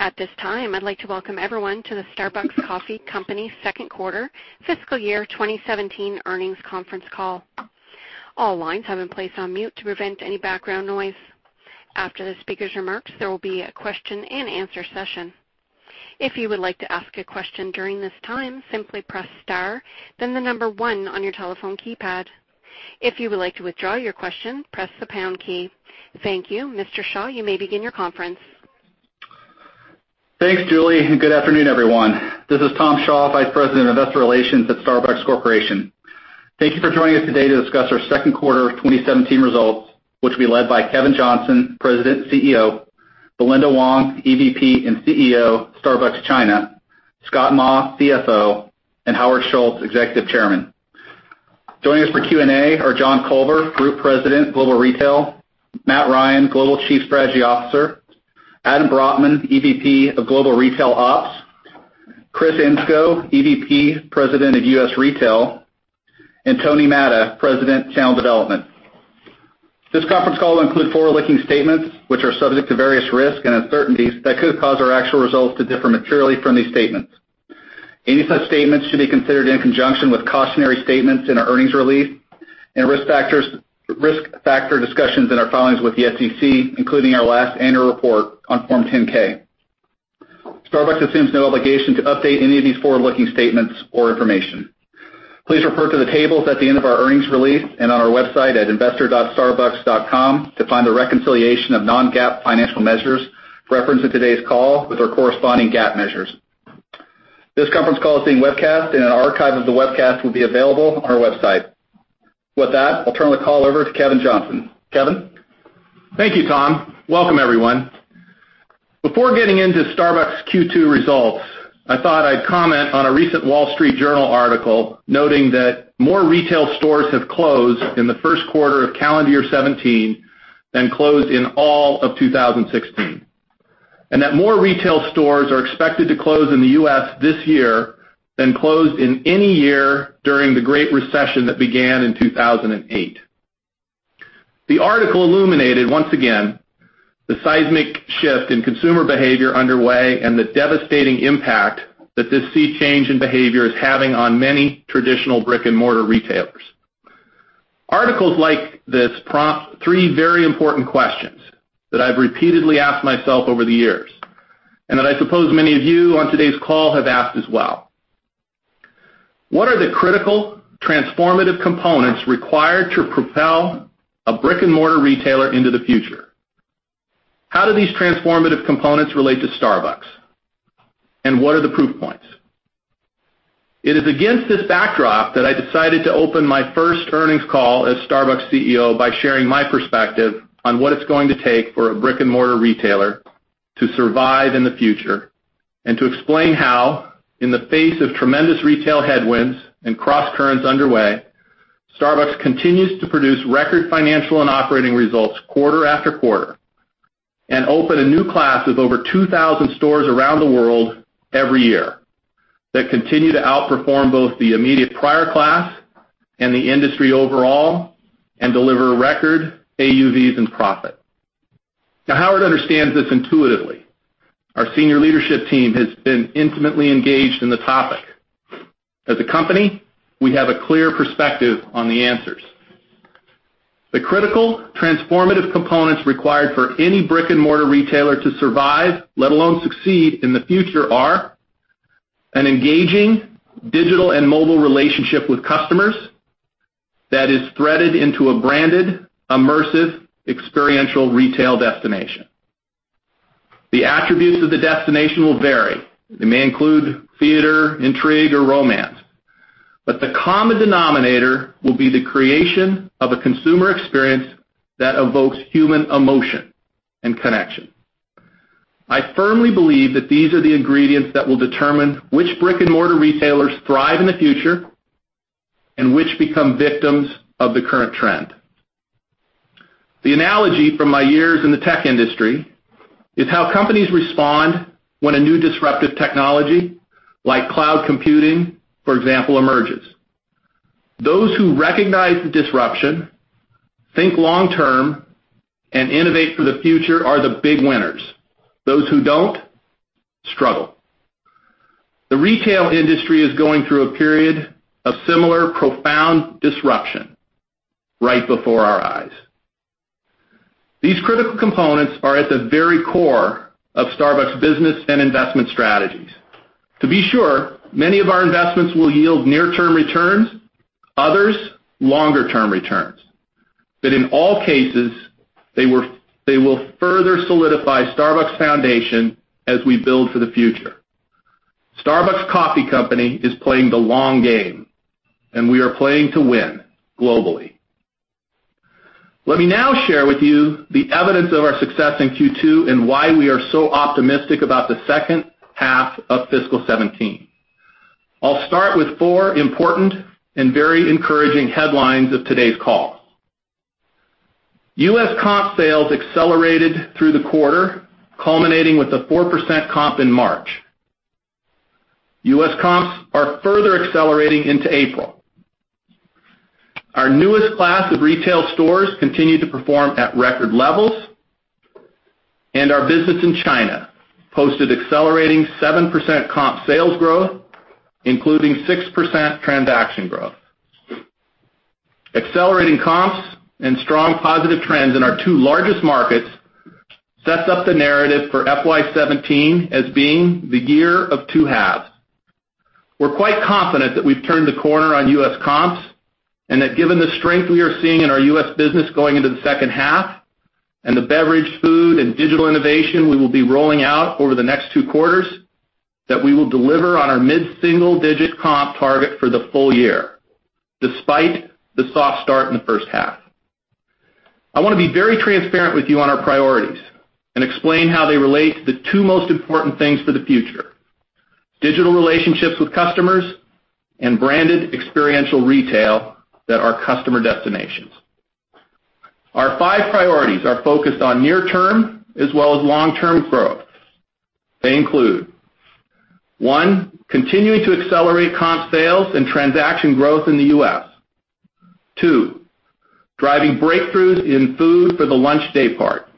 At this time, I'd like to welcome everyone to the Starbucks Coffee Company second quarter fiscal year 2017 earnings conference call. All lines have been placed on mute to prevent any background noise. After the speaker's remarks, there will be a question and answer session. If you would like to ask a question during this time, simply press star, then the number one on your telephone keypad. If you would like to withdraw your question, press the pound key. Thank you. Mr. Shaw, you may begin your conference. Thanks, Julie. Good afternoon, everyone. This is Tom Shaw, Vice President of Investor Relations at Starbucks Corporation. Thank you for joining us today to discuss our second quarter 2017 results, which will be led by Kevin Johnson, President, CEO; Belinda Wong, EVP and CEO, Starbucks China; Scott Maw, CFO; Howard Schultz, Executive Chairman. Joining us for Q&A are John Culver, Group President, Global Retail; Matthew Ryan, Global Chief Strategy Officer; Adam Brotman, EVP of Global Retail Ops; Kris Engskov, EVP, President of U.S. Retail; Tony Matta, President, Channel Development. This conference call includes forward-looking statements, which are subject to various risks and uncertainties that could cause our actual results to differ materially from these statements. Any such statements should be considered in conjunction with cautionary statements in our earnings release and risk factor discussions in our filings with the SEC, including our last annual report on Form 10-K. Starbucks assumes no obligation to update any of these forward-looking statements or information. Please refer to the tables at the end of our earnings release and on our website at investor.starbucks.com to find a reconciliation of non-GAAP financial measures referenced in today's call with our corresponding GAAP measures. This conference call is being webcast, an archive of the webcast will be available on our website. With that, I'll turn the call over to Kevin Johnson. Kevin? Thank you, Tom. Welcome, everyone. Before getting into Starbucks' Q2 results, I thought I'd comment on a recent The Wall Street Journal article noting that more retail stores have closed in the first quarter of calendar year 2017 than closed in all of 2016, more retail stores are expected to close in the U.S. this year than closed in any year during the Great Recession that began in 2008. The article illuminated, once again, the seismic shift in consumer behavior underway and the devastating impact that this sea change in behavior is having on many traditional brick-and-mortar retailers. Articles like this prompt three very important questions that I've repeatedly asked myself over the years, I suppose many of you on today's call have asked as well. What are the critical, transformative components required to propel a brick-and-mortar retailer into the future? How do these transformative components relate to Starbucks? What are the proof points? It is against this backdrop that I decided to open my first earnings call as Starbucks' CEO by sharing my perspective on what it's going to take for a brick-and-mortar retailer to survive in the future and to explain how, in the face of tremendous retail headwinds and crosscurrents underway, Starbucks continues to produce record financial and operating results quarter after quarter and open a new class of over 2,000 stores around the world every year that continue to outperform both the immediate prior class and the industry overall and deliver record AUVs and profit. Howard understands this intuitively. Our senior leadership team has been intimately engaged in the topic. As a company, we have a clear perspective on the answers. The critical, transformative components required for any brick-and-mortar retailer to survive, let alone succeed, in the future are an engaging digital and mobile relationship with customers that is threaded into a branded, immersive, experiential retail destination. The attributes of the destination will vary. They may include theater, intrigue, or romance. The common denominator will be the creation of a consumer experience that evokes human emotion and connection. I firmly believe that these are the ingredients that will determine which brick-and-mortar retailers thrive in the future and which become victims of the current trend. The analogy from my years in the tech industry is how companies respond when a new disruptive technology, like cloud computing, for example, emerges. Those who recognize the disruption, think long-term, and innovate for the future are the big winners. Those who don't, struggle. The retail industry is going through a period of similar profound disruption right before our eyes. These critical components are at the very core of Starbucks' business and investment strategies. To be sure, many of our investments will yield near-term returns, others, longer-term returns. In all cases, they will further solidify Starbucks' foundation as we build for the future. Starbucks Coffee Company is playing the long game, and we are playing to win globally. Let me now share with you the evidence of our success in Q2 and why we are so optimistic about the second half of fiscal 2017. I'll start with four important and very encouraging headlines of today's call. U.S. comp sales accelerated through the quarter, culminating with a 4% comp in March. U.S. comps are further accelerating into April. Our newest class of retail stores continued to perform at record levels. Our business in China posted accelerating 7% comp sales growth, including 6% transaction growth. Accelerating comps and strong positive trends in our two largest markets sets up the narrative for FY 2017 as being the year of two halves. We're quite confident that we've turned the corner on U.S. comps, and that given the strength we are seeing in our U.S. business going into the second half, and the beverage, food, and digital innovation we will be rolling out over the next two quarters, that we will deliver on our mid-single-digit comp target for the full year, despite the soft start in the first half. I want to be very transparent with you on our priorities and explain how they relate to the two most important things for the future, digital relationships with customers and branded experiential retail that are customer destinations. Our five priorities are focused on near term as well as long-term growth. They include, one, continuing to accelerate comp sales and transaction growth in the U.S. Two, driving breakthroughs in food for the lunch day part.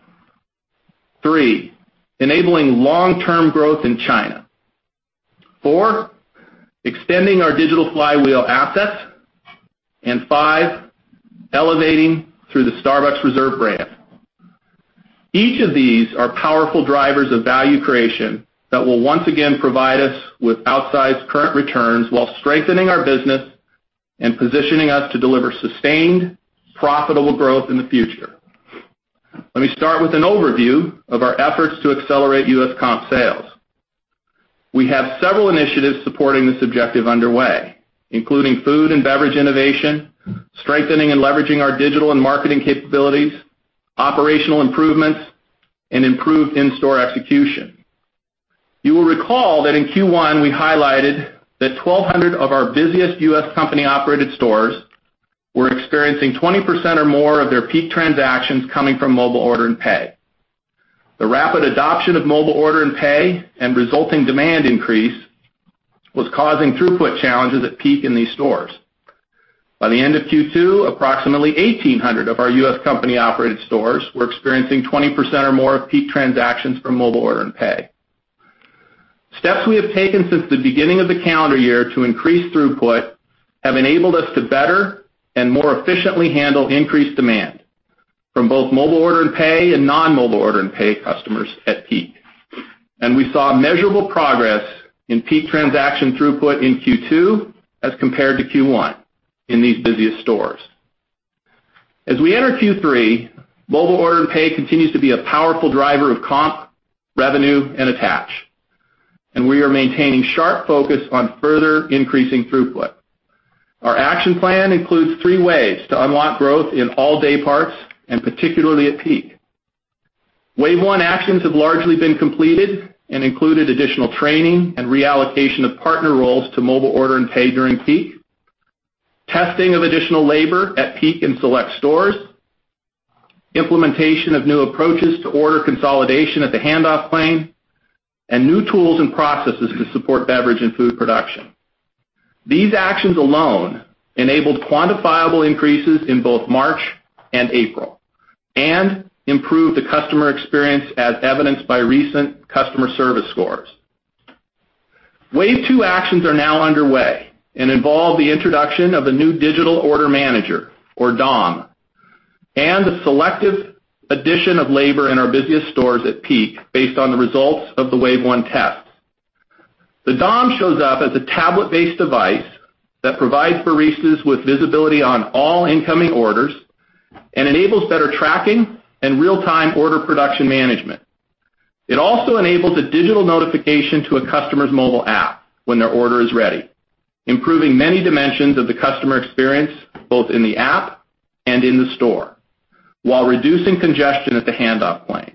Three, enabling long-term growth in China. Four, extending our digital flywheel assets. Five, elevating through the Starbucks Reserve brand. Each of these are powerful drivers of value creation that will once again provide us with outsized current returns while strengthening our business and positioning us to deliver sustained, profitable growth in the future. Let me start with an overview of our efforts to accelerate U.S. comp sales. We have several initiatives supporting this objective underway, including food and beverage innovation, strengthening and leveraging our digital and marketing capabilities, operational improvements, and improved in-store execution. You will recall that in Q1, we highlighted that 1,200 of our busiest U.S. company-operated stores were experiencing 20% or more of their peak transactions coming from Mobile Order & Pay. The rapid adoption of Mobile Order & Pay and resulting demand increase was causing throughput challenges at peak in these stores. By the end of Q2, approximately 1,800 of our U.S. company-operated stores were experiencing 20% or more of peak transactions from Mobile Order & Pay. Steps we have taken since the beginning of the calendar year to increase throughput have enabled us to better and more efficiently handle increased demand from both Mobile Order & Pay and non-Mobile Order & Pay customers at peak. We saw measurable progress in peak transaction throughput in Q2 as compared to Q1 in these busiest stores. As we enter Q3, Mobile Order & Pay continues to be a powerful driver of comp, revenue, and attach, and we are maintaining sharp focus on further increasing throughput. Our action plan includes three ways to unlock growth in all day parts and particularly at peak. Wave 1 actions have largely been completed and included additional training and reallocation of partner roles to Mobile Order & Pay during peak, testing of additional labor at peak in select stores, implementation of new approaches to order consolidation at the handoff plane, and new tools and processes to support beverage and food production. These actions alone enabled quantifiable increases in both March and April and improved the customer experience as evidenced by recent customer service scores. Wave 2 actions are now underway and involve the introduction of a new digital order manager, or DOM, and the selective addition of labor in our busiest stores at peak based on the results of the Wave 1 test. The DOM shows up as a tablet-based device that provides baristas with visibility on all incoming orders and enables better tracking and real-time order production management. It also enables a digital notification to a customer's mobile app when their order is ready, improving many dimensions of the customer experience, both in the app and in the store, while reducing congestion at the handoff plane.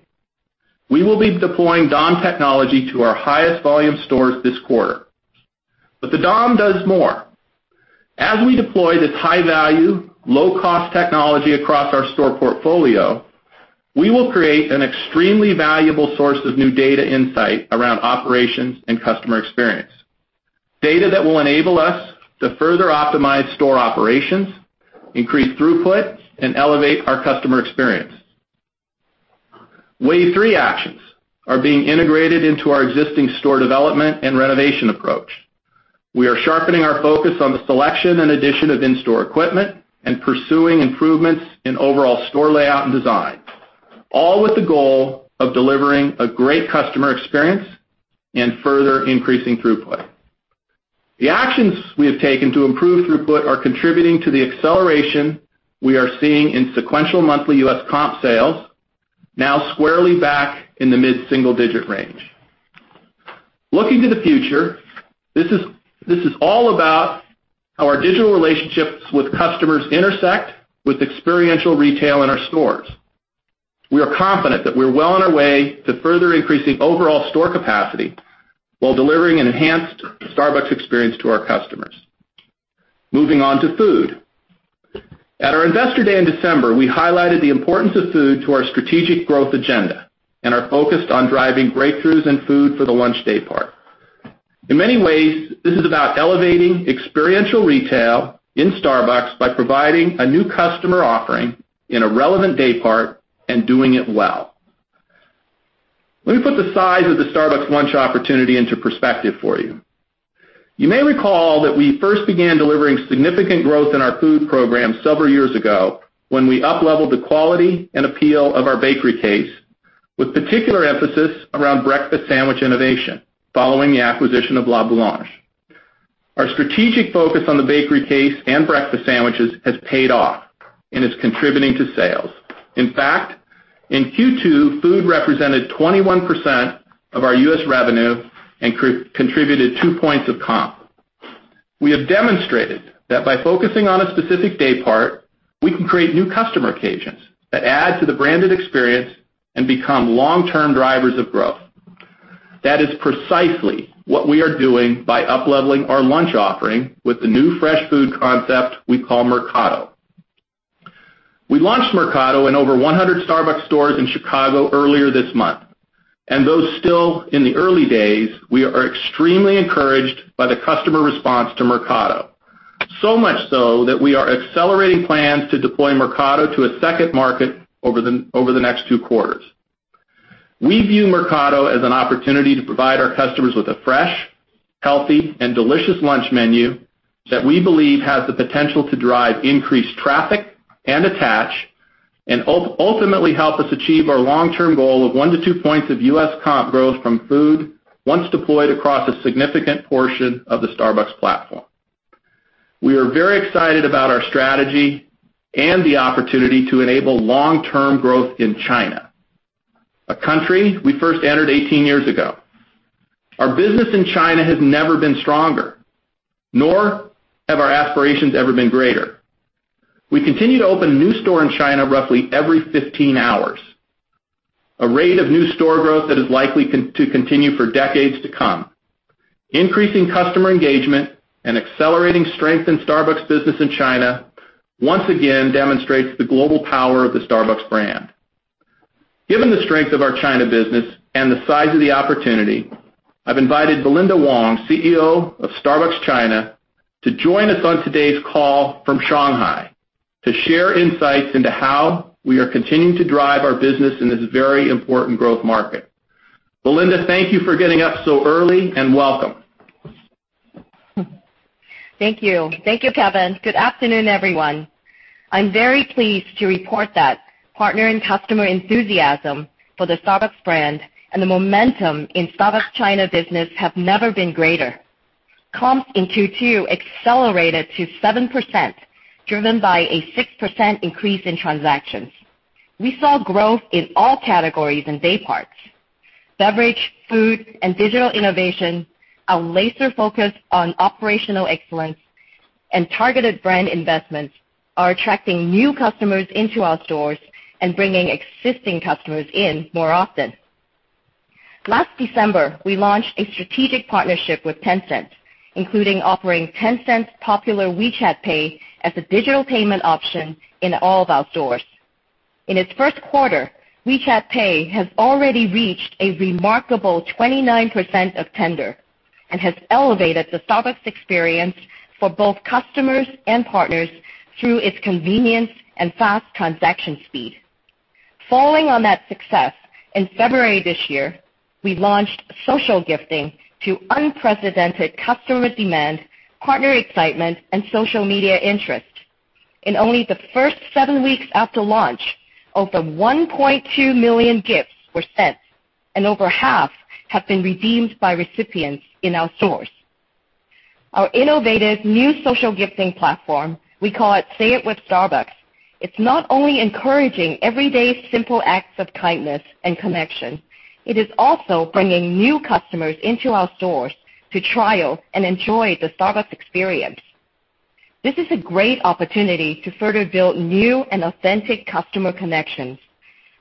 We will be deploying DOM technology to our highest volume stores this quarter. The DOM does more. As we deploy this high-value, low-cost technology across our store portfolio, we will create an extremely valuable source of new data insight around operations and customer experience. Data that will enable us to further optimize store operations, increase throughput, and elevate our customer experience. Wave three actions are being integrated into our existing store development and renovation approach. We are sharpening our focus on the selection and addition of in-store equipment and pursuing improvements in overall store layout and design, all with the goal of delivering a great customer experience and further increasing throughput. The actions we have taken to improve throughput are contributing to the acceleration we are seeing in sequential monthly U.S. comp sales, now squarely back in the mid-single-digit range. Looking to the future, this is all about how our digital relationships with customers intersect with experiential retail in our stores. We are confident that we're well on our way to further increasing overall store capacity while delivering an enhanced Starbucks experience to our customers. Moving on to food. At our investor day in December, we highlighted the importance of food to our strategic growth agenda and are focused on driving breakthroughs in food for the lunch day part. In many ways, this is about elevating experiential retail in Starbucks by providing a new customer offering in a relevant day part and doing it well. Let me put the size of the Starbucks lunch opportunity into perspective for you. You may recall that we first began delivering significant growth in our food program several years ago when we upleveled the quality and appeal of our bakery case, with particular emphasis around breakfast sandwich innovation following the acquisition of La Boulange. Our strategic focus on the bakery case and breakfast sandwiches has paid off and is contributing to sales. In fact, in Q2, food represented 21% of our U.S. revenue and contributed two points of comp. We have demonstrated that by focusing on a specific day part, we can create new customer occasions that add to the branded experience and become long-term drivers of growth. That is precisely what we are doing by upleveling our lunch offering with the new fresh food concept we call Mercato. We launched Mercato in over 100 Starbucks stores in Chicago earlier this month, and though still in the early days, we are extremely encouraged by the customer response to Mercato. So much so, that we are accelerating plans to deploy Mercato to a second market over the next two quarters. We view Mercato as an opportunity to provide our customers with a fresh, healthy, and delicious lunch menu that we believe has the potential to drive increased traffic and attach, and ultimately help us achieve our long-term goal of one to two points of U.S. comp growth from food, once deployed across a significant portion of the Starbucks platform. We are very excited about our strategy and the opportunity to enable long-term growth in China, a country we first entered 18 years ago. Our business in China has never been stronger, nor have our aspirations ever been greater. We continue to open a new store in China roughly every 15 hours, a rate of new store growth that is likely to continue for decades to come. Increasing customer engagement and accelerating strength in Starbucks' business in China once again demonstrates the global power of the Starbucks brand. Given the strength of our China business and the size of the opportunity, I've invited Belinda Wong, CEO of Starbucks China, to join us on today's call from Shanghai to share insights into how we are continuing to drive our business in this very important growth market. Belinda, thank you for getting up so early, and welcome. Thank you. Thank you, Kevin. Good afternoon, everyone. I'm very pleased to report that partner and customer enthusiasm for the Starbucks brand and the momentum in Starbucks China business have never been greater. Comps in Q2 accelerated to 7%, driven by a 6% increase in transactions. We saw growth in all categories and day parts. Beverage, food, and digital innovation, a laser focus on operational excellence, and targeted brand investments are attracting new customers into our stores and bringing existing customers in more often. Last December, we launched a strategic partnership with Tencent, including offering Tencent's popular WeChat Pay as a digital payment option in all of our stores. In its first quarter, WeChat Pay has already reached a remarkable 29% of tender and has elevated the Starbucks experience for both customers and partners through its convenience and fast transaction speed. Following on that success, in February this year, we launched social gifting to unprecedented customer demand, partner excitement, and social media interest. In only the first seven weeks after launch, over 1.2 million gifts were sent, and over half have been redeemed by recipients in our stores. Our innovative new social gifting platform, we call it Say it with Starbucks, it's not only encouraging everyday simple acts of kindness and connection, it is also bringing new customers into our stores to trial and enjoy the Starbucks experience. This is a great opportunity to further build new and authentic customer connections.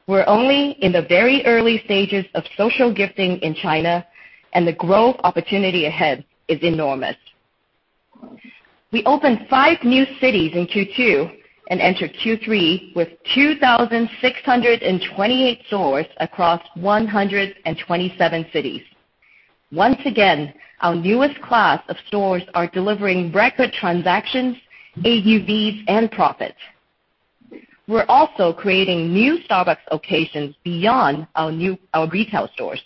We're only in the very early stages of social gifting in China. The growth opportunity ahead is enormous. We opened five new cities in Q2 and entered Q3 with 2,628 stores across 127 cities. Once again, our newest class of stores are delivering record transactions, AUVs, and profits. We're also creating new Starbucks locations beyond our retail stores.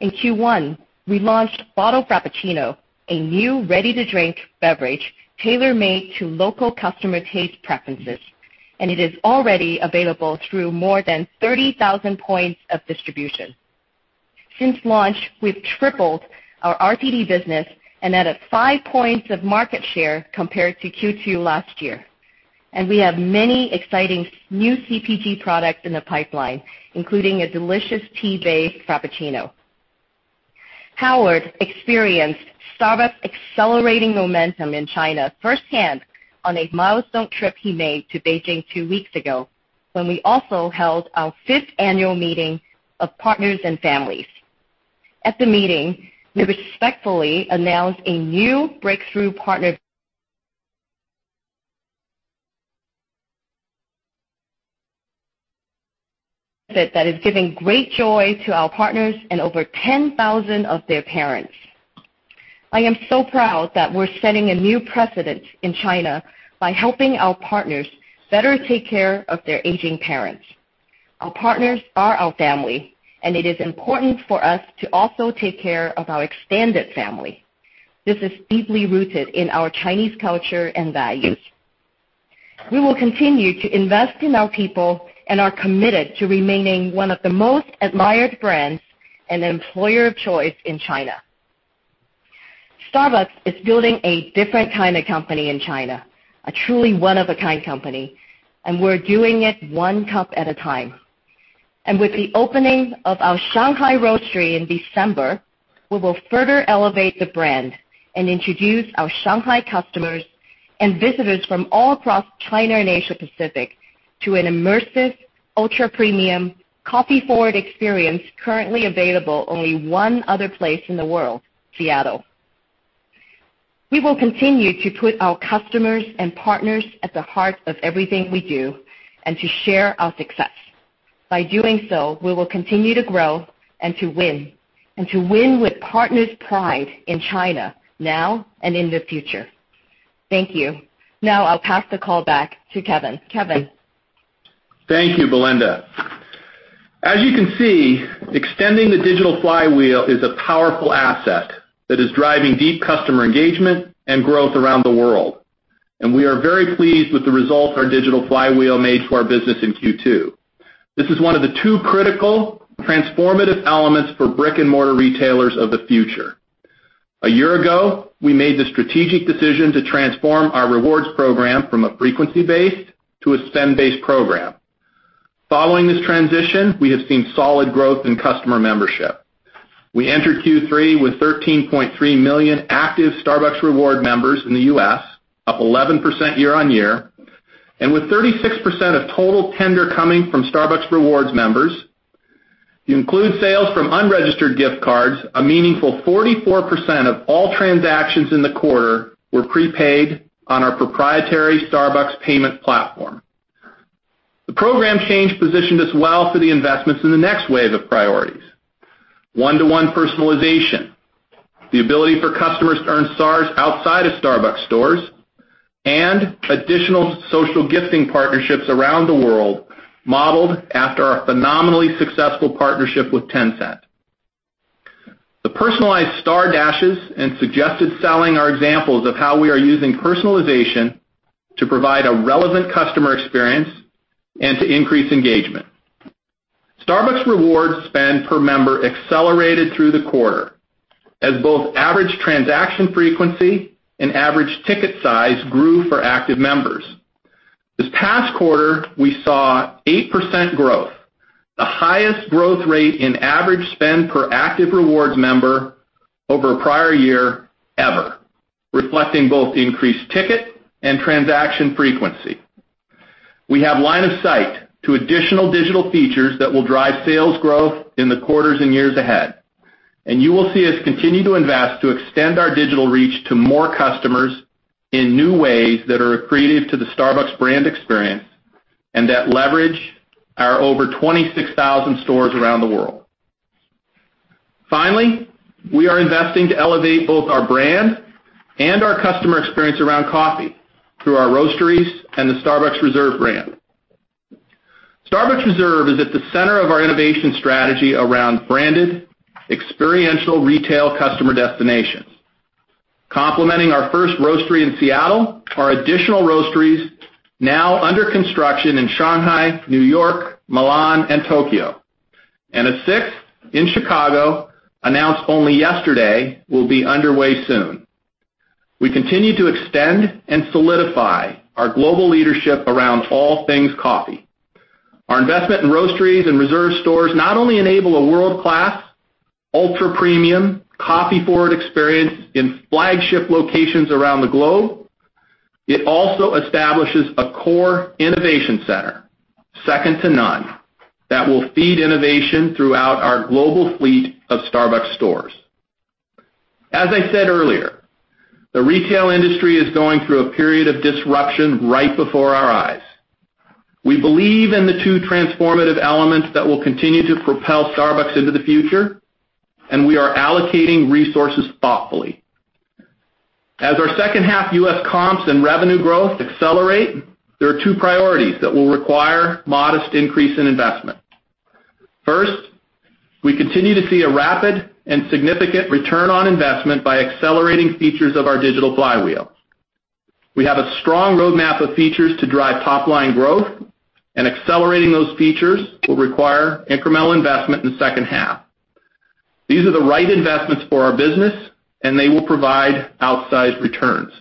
In Q1, we launched Bottled Frappuccino, a new ready-to-drink beverage tailor-made to local customer taste preferences, and it is already available through more than 30,000 points of distribution. Since launch, we've tripled our RPD business and added five points of market share compared to Q2 last year. We have many exciting new CPG products in the pipeline, including a delicious tea-based Frappuccino. Howard experienced Starbucks' accelerating momentum in China firsthand on a milestone trip he made to Beijing two weeks ago, when we also held our fifth annual meeting of partners and families. At the meeting, we respectfully announced a new breakthrough partner that is giving great joy to our partners and over 10,000 of their parents. I am so proud that we're setting a new precedent in China by helping our partners better take care of their aging parents. Our partners are our family, and it is important for us to also take care of our extended family. This is deeply rooted in our Chinese culture and values. We will continue to invest in our people and are committed to remaining one of the most admired brands and an employer of choice in China. Starbucks is building a different kind of company in China, a truly one-of-a-kind company, and we're doing it one cup at a time. With the opening of our Shanghai Roastery in December, we will further elevate the brand and introduce our Shanghai customers and visitors from all across China and Asia Pacific to an immersive, ultra-premium, coffee-forward experience currently available only one other place in the world, Seattle. We will continue to put our customers and partners at the heart of everything we do and to share our success. By doing so, we will continue to grow and to win, and to win with partners' pride in China now and in the future. Thank you. Now I'll pass the call back to Kevin. Kevin? Thank you, Belinda. As you can see, extending the digital flywheel is a powerful asset that is driving deep customer engagement and growth around the world, and we are very pleased with the results our digital flywheel made to our business in Q2. This is one of the two critical transformative elements for brick-and-mortar retailers of the future. A year ago, we made the strategic decision to transform our rewards program from a frequency-based to a spend-based program. Following this transition, we have seen solid growth in customer membership. We entered Q3 with 13.3 million active Starbucks Rewards members in the U.S., up 11% year-on-year. With 36% of total tender coming from Starbucks Rewards members, if you include sales from unregistered gift cards, a meaningful 44% of all transactions in the quarter were prepaid on our proprietary Starbucks payment platform. The program change positioned us well for the investments in the next wave of priorities. One-to-one personalization, the ability for customers to earn stars outside of Starbucks stores, and additional social gifting partnerships around the world, modeled after our phenomenally successful partnership with Tencent. The personalized star dashes and suggested selling are examples of how we are using personalization to provide a relevant customer experience and to increase engagement. Starbucks Rewards spend per member accelerated through the quarter as both average transaction frequency and average ticket size grew for active members. This past quarter, we saw 8% growth, the highest growth rate in average spend per active rewards member over a prior year ever, reflecting both increased ticket and transaction frequency. We have line of sight to additional digital features that will drive sales growth in the quarters and years ahead. You will see us continue to invest to extend our digital reach to more customers in new ways that are accretive to the Starbucks brand experience and that leverage our over 26,000 stores around the world. Finally, we are investing to elevate both our brand and our customer experience around coffee through our Roasteries and the Starbucks Reserve brand. Starbucks Reserve is at the center of our innovation strategy around branded, experiential retail customer destinations. Complementing our first Roastery in Seattle are additional Roasteries now under construction in Shanghai, New York, Milan, and Tokyo. A sixth in Chicago, announced only yesterday, will be underway soon. We continue to extend and solidify our global leadership around all things coffee. Our investment in Roasteries and Reserve stores not only enable a world-class, ultra-premium, coffee-forward experience in flagship locations around the globe, it also establishes a core innovation center, second to none, that will feed innovation throughout our global fleet of Starbucks stores. As I said earlier, the retail industry is going through a period of disruption right before our eyes. We believe in the two transformative elements that will continue to propel Starbucks into the future. We are allocating resources thoughtfully. As our second half U.S. comps and revenue growth accelerate, there are two priorities that will require modest increase in investment. First, we continue to see a rapid and significant return on investment by accelerating features of our digital flywheel. We have a strong roadmap of features to drive top-line growth. Accelerating those features will require incremental investment in the second half. These are the right investments for our business. They will provide outsized returns.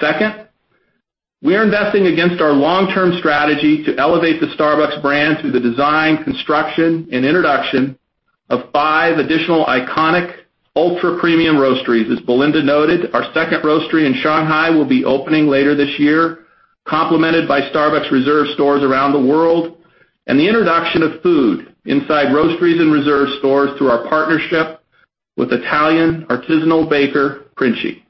Second, we are investing against our long-term strategy to elevate the Starbucks brand through the design, construction, and introduction of five additional iconic ultra-premium Roasteries. As Belinda noted, our second Roastery in Shanghai will be opening later this year, complemented by Starbucks Reserve stores around the world, and the introduction of food inside Roasteries and Reserve stores through our partnership with Italian artisanal baker Princi.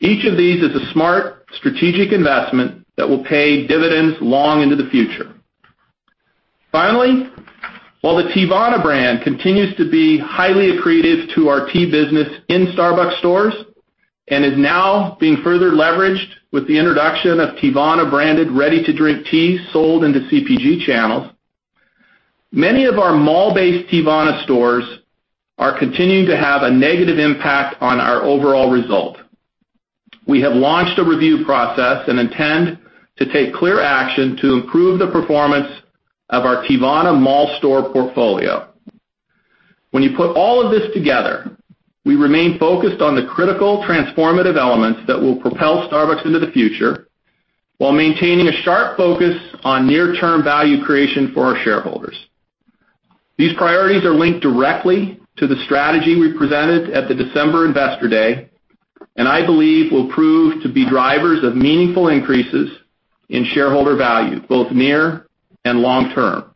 Each of these is a smart, strategic investment that will pay dividends long into the future. Finally, while the Teavana brand continues to be highly accretive to our tea business in Starbucks stores and is now being further leveraged with the introduction of Teavana-branded ready-to-drink tea sold into CPG channels, many of our mall-based Teavana stores are continuing to have a negative impact on our overall result. We have launched a review process and intend to take clear action to improve the performance of our Teavana mall store portfolio. When you put all of this together, we remain focused on the critical transformative elements that will propel Starbucks into the future while maintaining a sharp focus on near-term value creation for our shareholders. These priorities are linked directly to the strategy we presented at the December Investor Day. I believe will prove to be drivers of meaningful increases in shareholder value, both near and long term.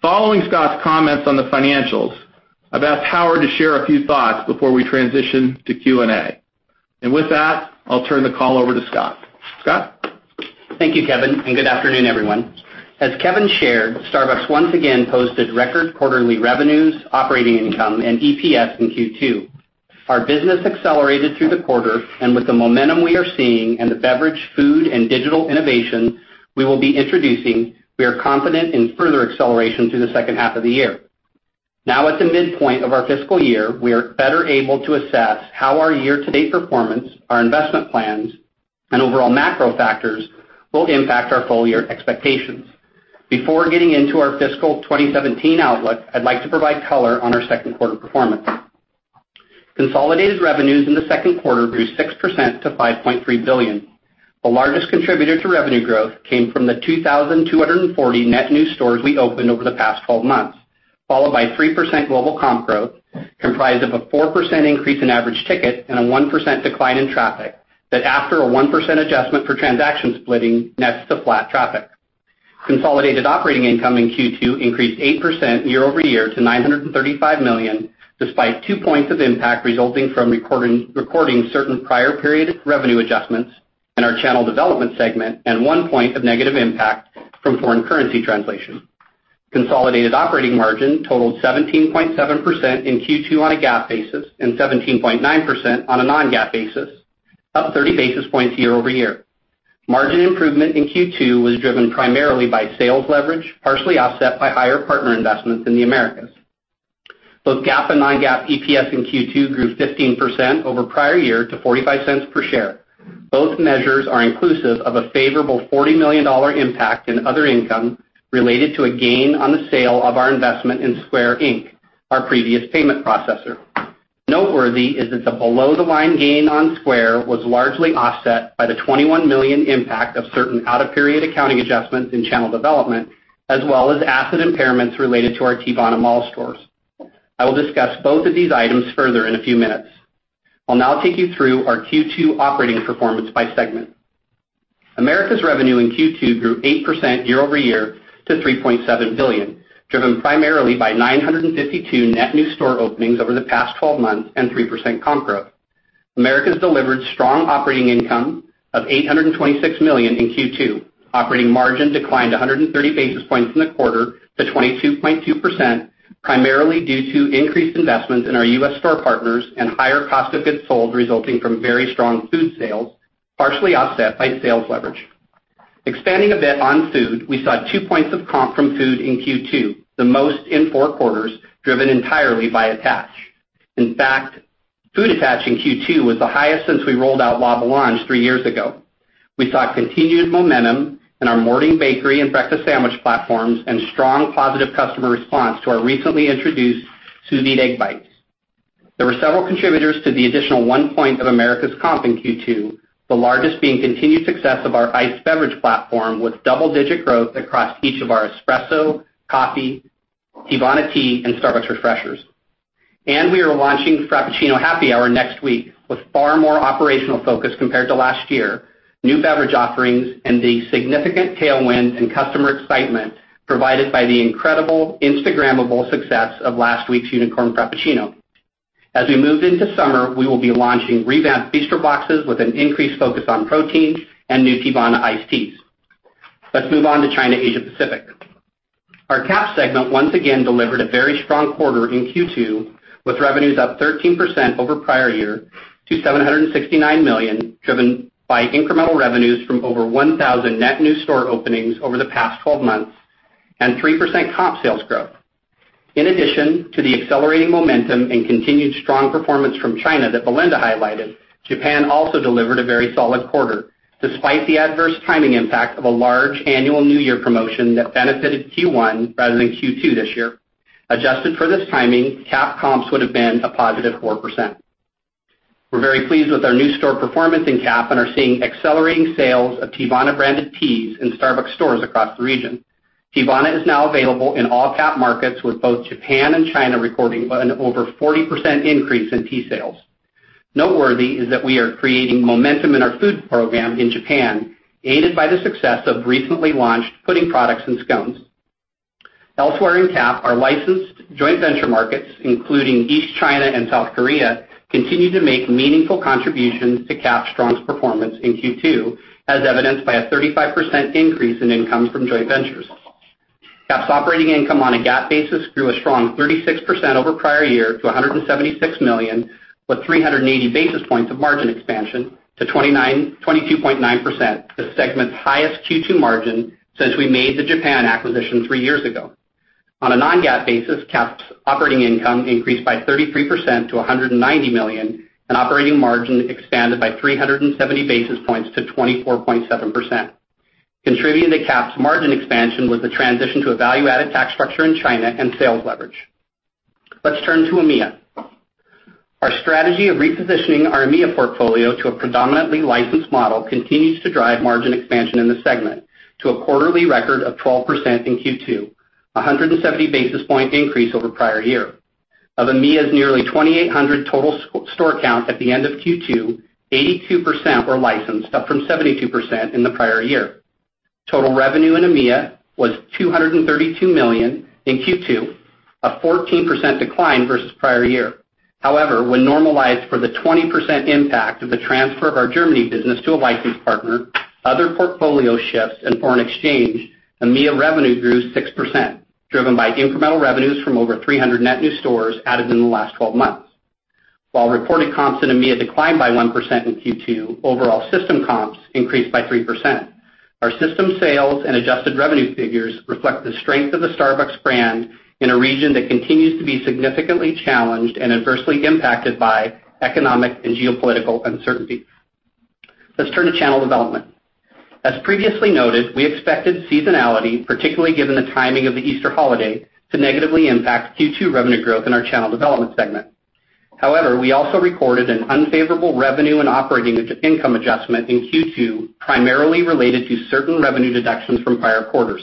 Following Scott's comments on the financials, I've asked Howard to share a few thoughts before we transition to Q&A. With that, I'll turn the call over to Scott. Scott? Thank you, Kevin, and good afternoon, everyone. As Kevin shared, Starbucks once again posted record quarterly revenues, operating income, and EPS in Q2. With the momentum we are seeing and the beverage, food, and digital innovation we will be introducing, we are confident in further acceleration through the second half of the year. Now at the midpoint of our fiscal year, we are better able to assess how our year-to-date performance, our investment plans, and overall macro factors will impact our full-year expectations. Before getting into our fiscal 2017 outlook, I'd like to provide color on our second quarter performance. Consolidated revenues in the second quarter grew 6% to $5.3 billion. The largest contributor to revenue growth came from the 2,240 net new stores we opened over the past 12 months, followed by 3% global comp growth, comprised of a 4% increase in average ticket and a 1% decline in traffic, that after a 1% adjustment for transaction splitting nets to flat traffic. Consolidated operating income in Q2 increased 8% year-over-year to $935 million, despite two points of impact resulting from recording certain prior period revenue adjustments in our Channel Development segment and one point of negative impact from foreign currency translation. Consolidated operating margin totaled 17.7% in Q2 on a GAAP basis and 17.9% on a non-GAAP basis, up 30 basis points year-over-year. Margin improvement in Q2 was driven primarily by sales leverage, partially offset by higher partner investments in the Americas. Both GAAP and non-GAAP EPS in Q2 grew 15% over prior year to $0.45 per share. Both measures are inclusive of a favorable $40 million impact in other income related to a gain on the sale of our investment in Square, Inc., our previous payment processor. Noteworthy is that the below the line gain on Square was largely offset by the $21 million impact of certain out-of-period accounting adjustments in Channel Development, as well as asset impairments related to our Teavana mall stores. I will discuss both of these items further in a few minutes. I'll now take you through our Q2 operating performance by segment. Americas revenue in Q2 grew 8% year-over-year to $3.7 billion, driven primarily by 952 net new store openings over the past 12 months and 3% comp growth. Americas delivered strong operating income of $826 million in Q2. Operating margin declined 130 basis points in the quarter to 22.2%, primarily due to increased investments in our U.S. store partners and higher cost of goods sold resulting from very strong food sales, partially offset by sales leverage. Expanding a bit on food, we saw two points of comp from food in Q2, the most in four quarters, driven entirely by attach. In fact, food attach in Q2 was the highest since we rolled out La Boulange three years ago. We saw continued momentum in our morning bakery and breakfast sandwich platforms and strong positive customer response to our recently introduced Sous Vide Egg Bites. There were several contributors to the additional one point of Americas comp in Q2, the largest being continued success of our iced beverage platform with double-digit growth across each of our espresso, coffee, Teavana tea, and Starbucks Refreshers. We are launching Frappuccino Happy Hour next week with far more operational focus compared to last year, new beverage offerings, and the significant tailwind and customer excitement provided by the incredible Instagrammable success of last week's Unicorn Frappuccino. As we move into summer, we will be launching revamped Bistro Boxes with an increased focus on protein and new Teavana iced teas. Let's move on to China Asia Pacific. Our CAP segment once again delivered a very strong quarter in Q2, with revenues up 13% over prior year to $769 million, driven by incremental revenues from over 1,000 net new store openings over the past 12 months and 3% comp sales growth. In addition to the accelerating momentum and continued strong performance from China that Belinda highlighted, Japan also delivered a very solid quarter, despite the adverse timing impact of a large annual New Year promotion that benefited Q1 rather than Q2 this year. Adjusted for this timing, CAP comps would have been a positive 4%. We are very pleased with our new store performance in CAP and are seeing accelerating sales of Teavana-branded teas in Starbucks stores across the region. Teavana is now available in all CAP markets, with both Japan and China reporting an over 40% increase in tea sales. Noteworthy is that we are creating momentum in our food program in Japan, aided by the success of recently launched pudding products and scones. Elsewhere in CAP, our licensed joint venture markets, including East China and South Korea, continue to make meaningful contributions to CAP's strong performance in Q2, as evidenced by a 35% increase in income from joint ventures. CAP's operating income on a GAAP basis grew a strong 36% over prior year to $176 million, with 380 basis points of margin expansion to 22.9%, the segment's highest Q2 margin since we made the Japan acquisition three years ago. On a non-GAAP basis, CAP's operating income increased by 33% to $190 million, and operating margin expanded by 370 basis points to 24.7%. Contributing to CAP's margin expansion was the transition to a value-added tax structure in China and sales leverage. Let's turn to EMEA. Our strategy of repositioning our EMEA portfolio to a predominantly licensed model continues to drive margin expansion in the segment to a quarterly record of 12% in Q2, a 170 basis point increase over prior year. Of EMEA's nearly 2,800 total store count at the end of Q2, 82% were licensed, up from 72% in the prior year. Total revenue in EMEA was $232 million in Q2, a 14% decline versus prior year. When normalized for the 20% impact of the transfer of our Germany business to a licensed partner, other portfolio shifts and foreign exchange, EMEA revenue grew 6%, driven by incremental revenues from over 300 net new stores added in the last 12 months. While reported comps in EMEA declined by 1% in Q2, overall system comps increased by 3%. Our system sales and adjusted revenue figures reflect the strength of the Starbucks brand in a region that continues to be significantly challenged and adversely impacted by economic and geopolitical uncertainty. Let's turn to channel development. As previously noted, we expected seasonality, particularly given the timing of the Easter holiday, to negatively impact Q2 revenue growth in our Channel Development segment. We also recorded an unfavorable revenue and operating income adjustment in Q2, primarily related to certain revenue deductions from prior quarters.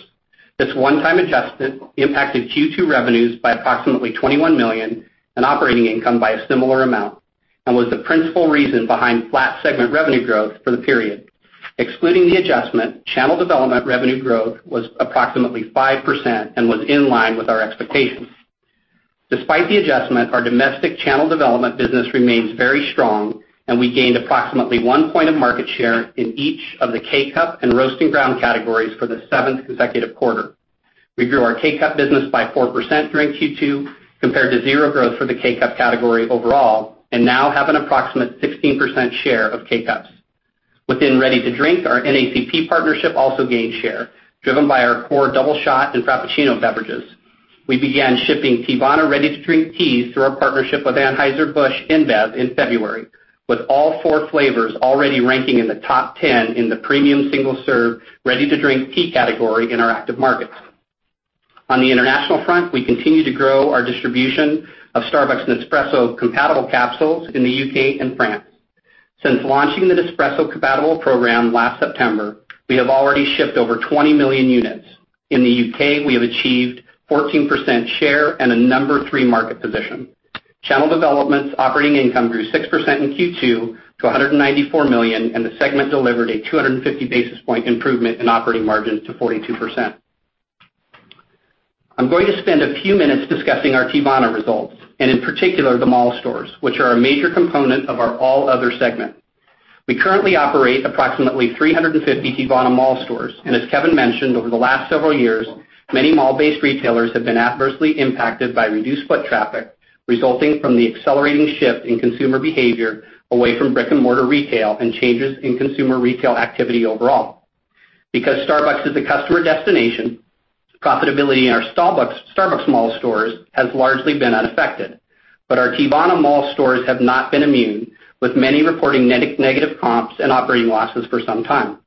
This one-time adjustment impacted Q2 revenues by approximately $21 million and operating income by a similar amount, and was the principal reason behind flat segment revenue growth for the period. Excluding the adjustment, channel development revenue growth was approximately 5% and was in line with our expectations. Despite the adjustment, our domestic channel development business remains very strong, and we gained approximately one point of market share in each of the K-Cup and roast and ground categories for the seventh consecutive quarter. We grew our K-Cup business by 4% during Q2, compared to zero growth for the K-Cup category overall, and now have an approximate 16% share of K-Cups. Within ready-to-drink, our NACP partnership also gained share, driven by our core Doubleshot and Frappuccino beverages. We began shipping Teavana ready-to-drink teas through our partnership with Anheuser-Busch InBev in February, with all four flavors already ranking in the top 10 in the premium single-serve ready-to-drink tea category in our active markets. On the international front, we continue to grow our distribution of Starbucks and Nespresso Compatible capsules in the U.K. and France. Since launching the Nespresso Compatible program last September, we have already shipped over 20 million units. In the U.K., we have achieved 14% share and a number 3 market position. Channel Development's operating income grew 6% in Q2 to $194 million, and the segment delivered a 250 basis point improvement in operating margin to 42%. I'm going to spend a few minutes discussing our Teavana results, and in particular, the mall stores, which are a major component of our All Other segment. We currently operate approximately 350 Teavana mall stores, and as Kevin mentioned, over the last several years, many mall-based retailers have been adversely impacted by reduced foot traffic, resulting from the accelerating shift in consumer behavior away from brick-and-mortar retail and changes in consumer retail activity overall. Because Starbucks is a customer destination, profitability in our Starbucks mall stores has largely been unaffected. Our Teavana mall stores have not been immune, with many reporting negative comps and operating losses for some time.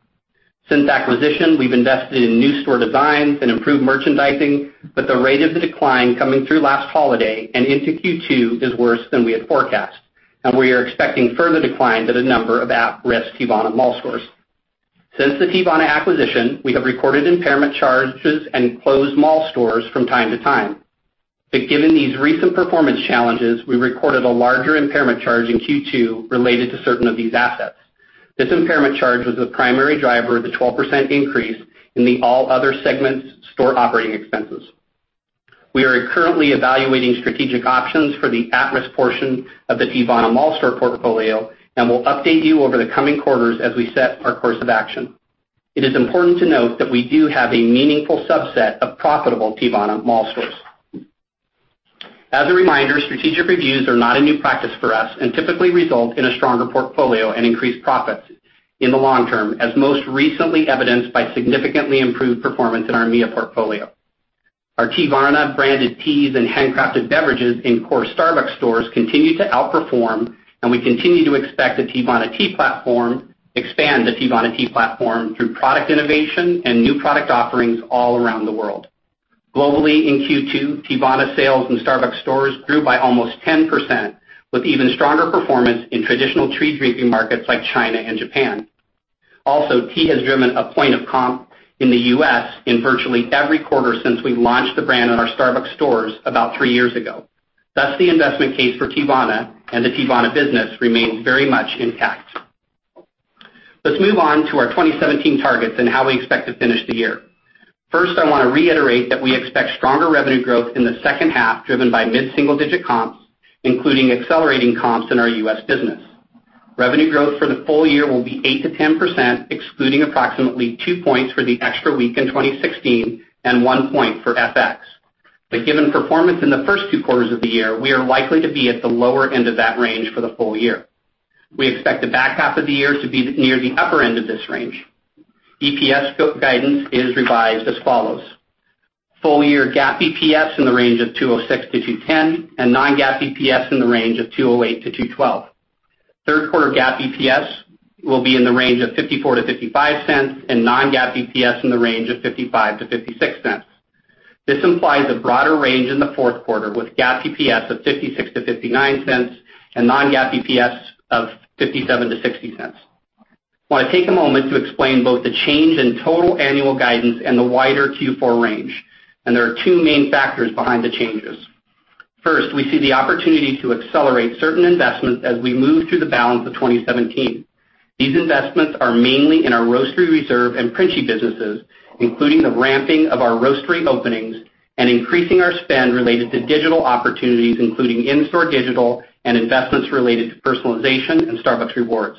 Since acquisition, we've invested in new store designs and improved merchandising, the rate of the decline coming through last holiday and into Q2 is worse than we had forecast, and we are expecting further decline at a number of at-risk Teavana mall stores. Since the Teavana acquisition, we have recorded impairment charges and closed mall stores from time to time. Given these recent performance challenges, we recorded a larger impairment charge in Q2 related to certain of these assets. This impairment charge was the primary driver of the 12% increase in the All Other segment's store operating expenses. We are currently evaluating strategic options for the at-risk portion of the Teavana mall store portfolio, and we'll update you over the coming quarters as we set our course of action. It is important to note that we do have a meaningful subset of profitable Teavana mall stores. As a reminder, strategic reviews are not a new practice for us and typically result in a stronger portfolio and increased profits in the long term, as most recently evidenced by significantly improved performance in our EMEA portfolio. Our Teavana branded teas and handcrafted beverages in core Starbucks stores continue to outperform, and we continue to expect expand the Teavana tea platform through product innovation and new product offerings all around the world. Globally, in Q2, Teavana sales in Starbucks stores grew by almost 10%, with even stronger performance in traditional tea-drinking markets like China and Japan. Also, tea has driven a point of comp in the U.S. in virtually every quarter since we launched the brand in our Starbucks stores about three years ago. Thus, the investment case for Teavana and the Teavana business remains very much intact. Let's move on to our 2017 targets and how we expect to finish the year. First, I want to reiterate that we expect stronger revenue growth in the second half, driven by mid-single-digit comps, including accelerating comps in our U.S. business. Revenue growth for the full year will be 8%-10%, excluding approximately 2 points for the extra week in 2016 and 1 point for FX. Given performance in the first 2 quarters of the year, we are likely to be at the lower end of that range for the full year. We expect the back half of the year to be near the upper end of this range. EPS guidance is revised as follows. Full-year GAAP EPS in the range of $2.06-$2.10, and non-GAAP EPS in the range of $2.08-$2.12. Third quarter GAAP EPS will be in the range of $0.54-$0.55, and non-GAAP EPS in the range of $0.55-$0.56. This implies a broader range in the fourth quarter, with GAAP EPS of $0.56-$0.59 and non-GAAP EPS of $0.57-$0.60. I want to take a moment to explain both the change in total annual guidance and the wider Q4 range. There are 2 main factors behind the changes. First, we see the opportunity to accelerate certain investments as we move through the balance of 2017. These investments are mainly in our Roastery Reserve and Princi businesses, including the ramping of our Roastery openings and increasing our spend related to digital opportunities, including in-store digital and investments related to personalization and Starbucks Rewards.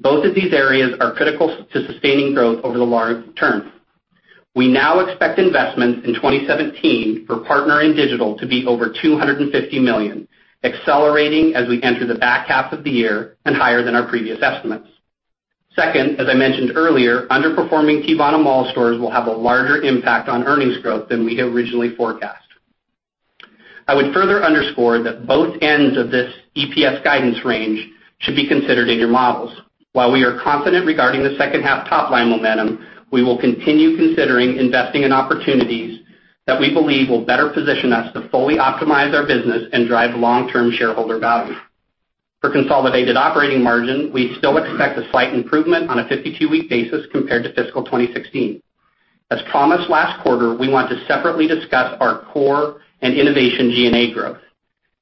Both of these areas are critical to sustaining growth over the long term. We now expect investments in 2017 for partner in digital to be over $250 million, accelerating as we enter the back half of the year and higher than our previous estimates. Second, as I mentioned earlier, underperforming Teavana mall stores will have a larger impact on earnings growth than we had originally forecast. I would further underscore that both ends of this EPS guidance range should be considered in your models. While we are confident regarding the second half top-line momentum, we will continue considering investing in opportunities that we believe will better position us to fully optimize our business and drive long-term shareholder value. For consolidated operating margin, we still expect a slight improvement on a 52-week basis compared to fiscal 2016. As promised last quarter, we want to separately discuss our core and innovation G&A growth.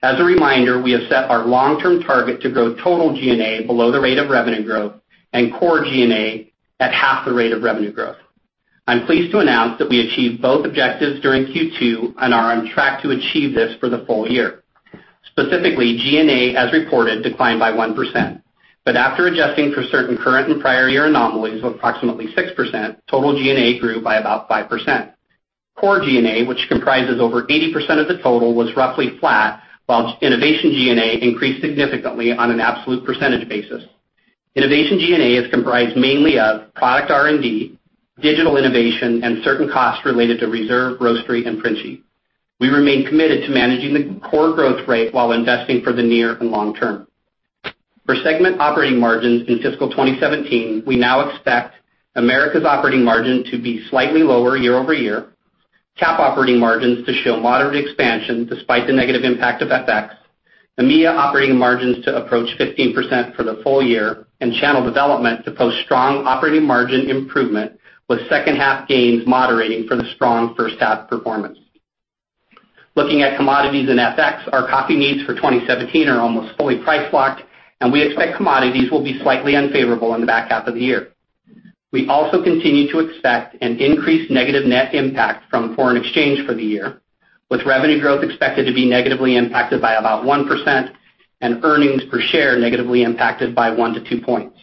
As a reminder, we have set our long-term target to grow total G&A below the rate of revenue growth and core G&A at half the rate of revenue growth. I am pleased to announce that we achieved both objectives during Q2 and are on track to achieve this for the full year. Specifically, G&A, as reported, declined by 1%, but after adjusting for certain current and prior year anomalies of approximately 6%, total G&A grew by about 5%. Core G&A, which comprises over 80% of the total, was roughly flat, while innovation G&A increased significantly on an absolute percentage basis. Innovation G&A is comprised mainly of product R&D, digital innovation, and certain costs related to Starbucks Reserve, Roastery, and Princi. We remain committed to managing the core growth rate while investing for the near and long term. For segment operating margins in fiscal 2017, we now expect Americas operating margin to be slightly lower year-over-year, CAP operating margins to show moderate expansion despite the negative impact of FX, EMEA operating margins to approach 15% for the full year, and Channel Development to post strong operating margin improvement, with second half gains moderating for the strong first half performance. Looking at commodities and FX, our coffee needs for 2017 are almost fully price locked, and we expect commodities will be slightly unfavorable in the back half of the year. We also continue to expect an increased negative net impact from foreign exchange for the year, with revenue growth expected to be negatively impacted by about 1% and earnings per share negatively impacted by one to two points.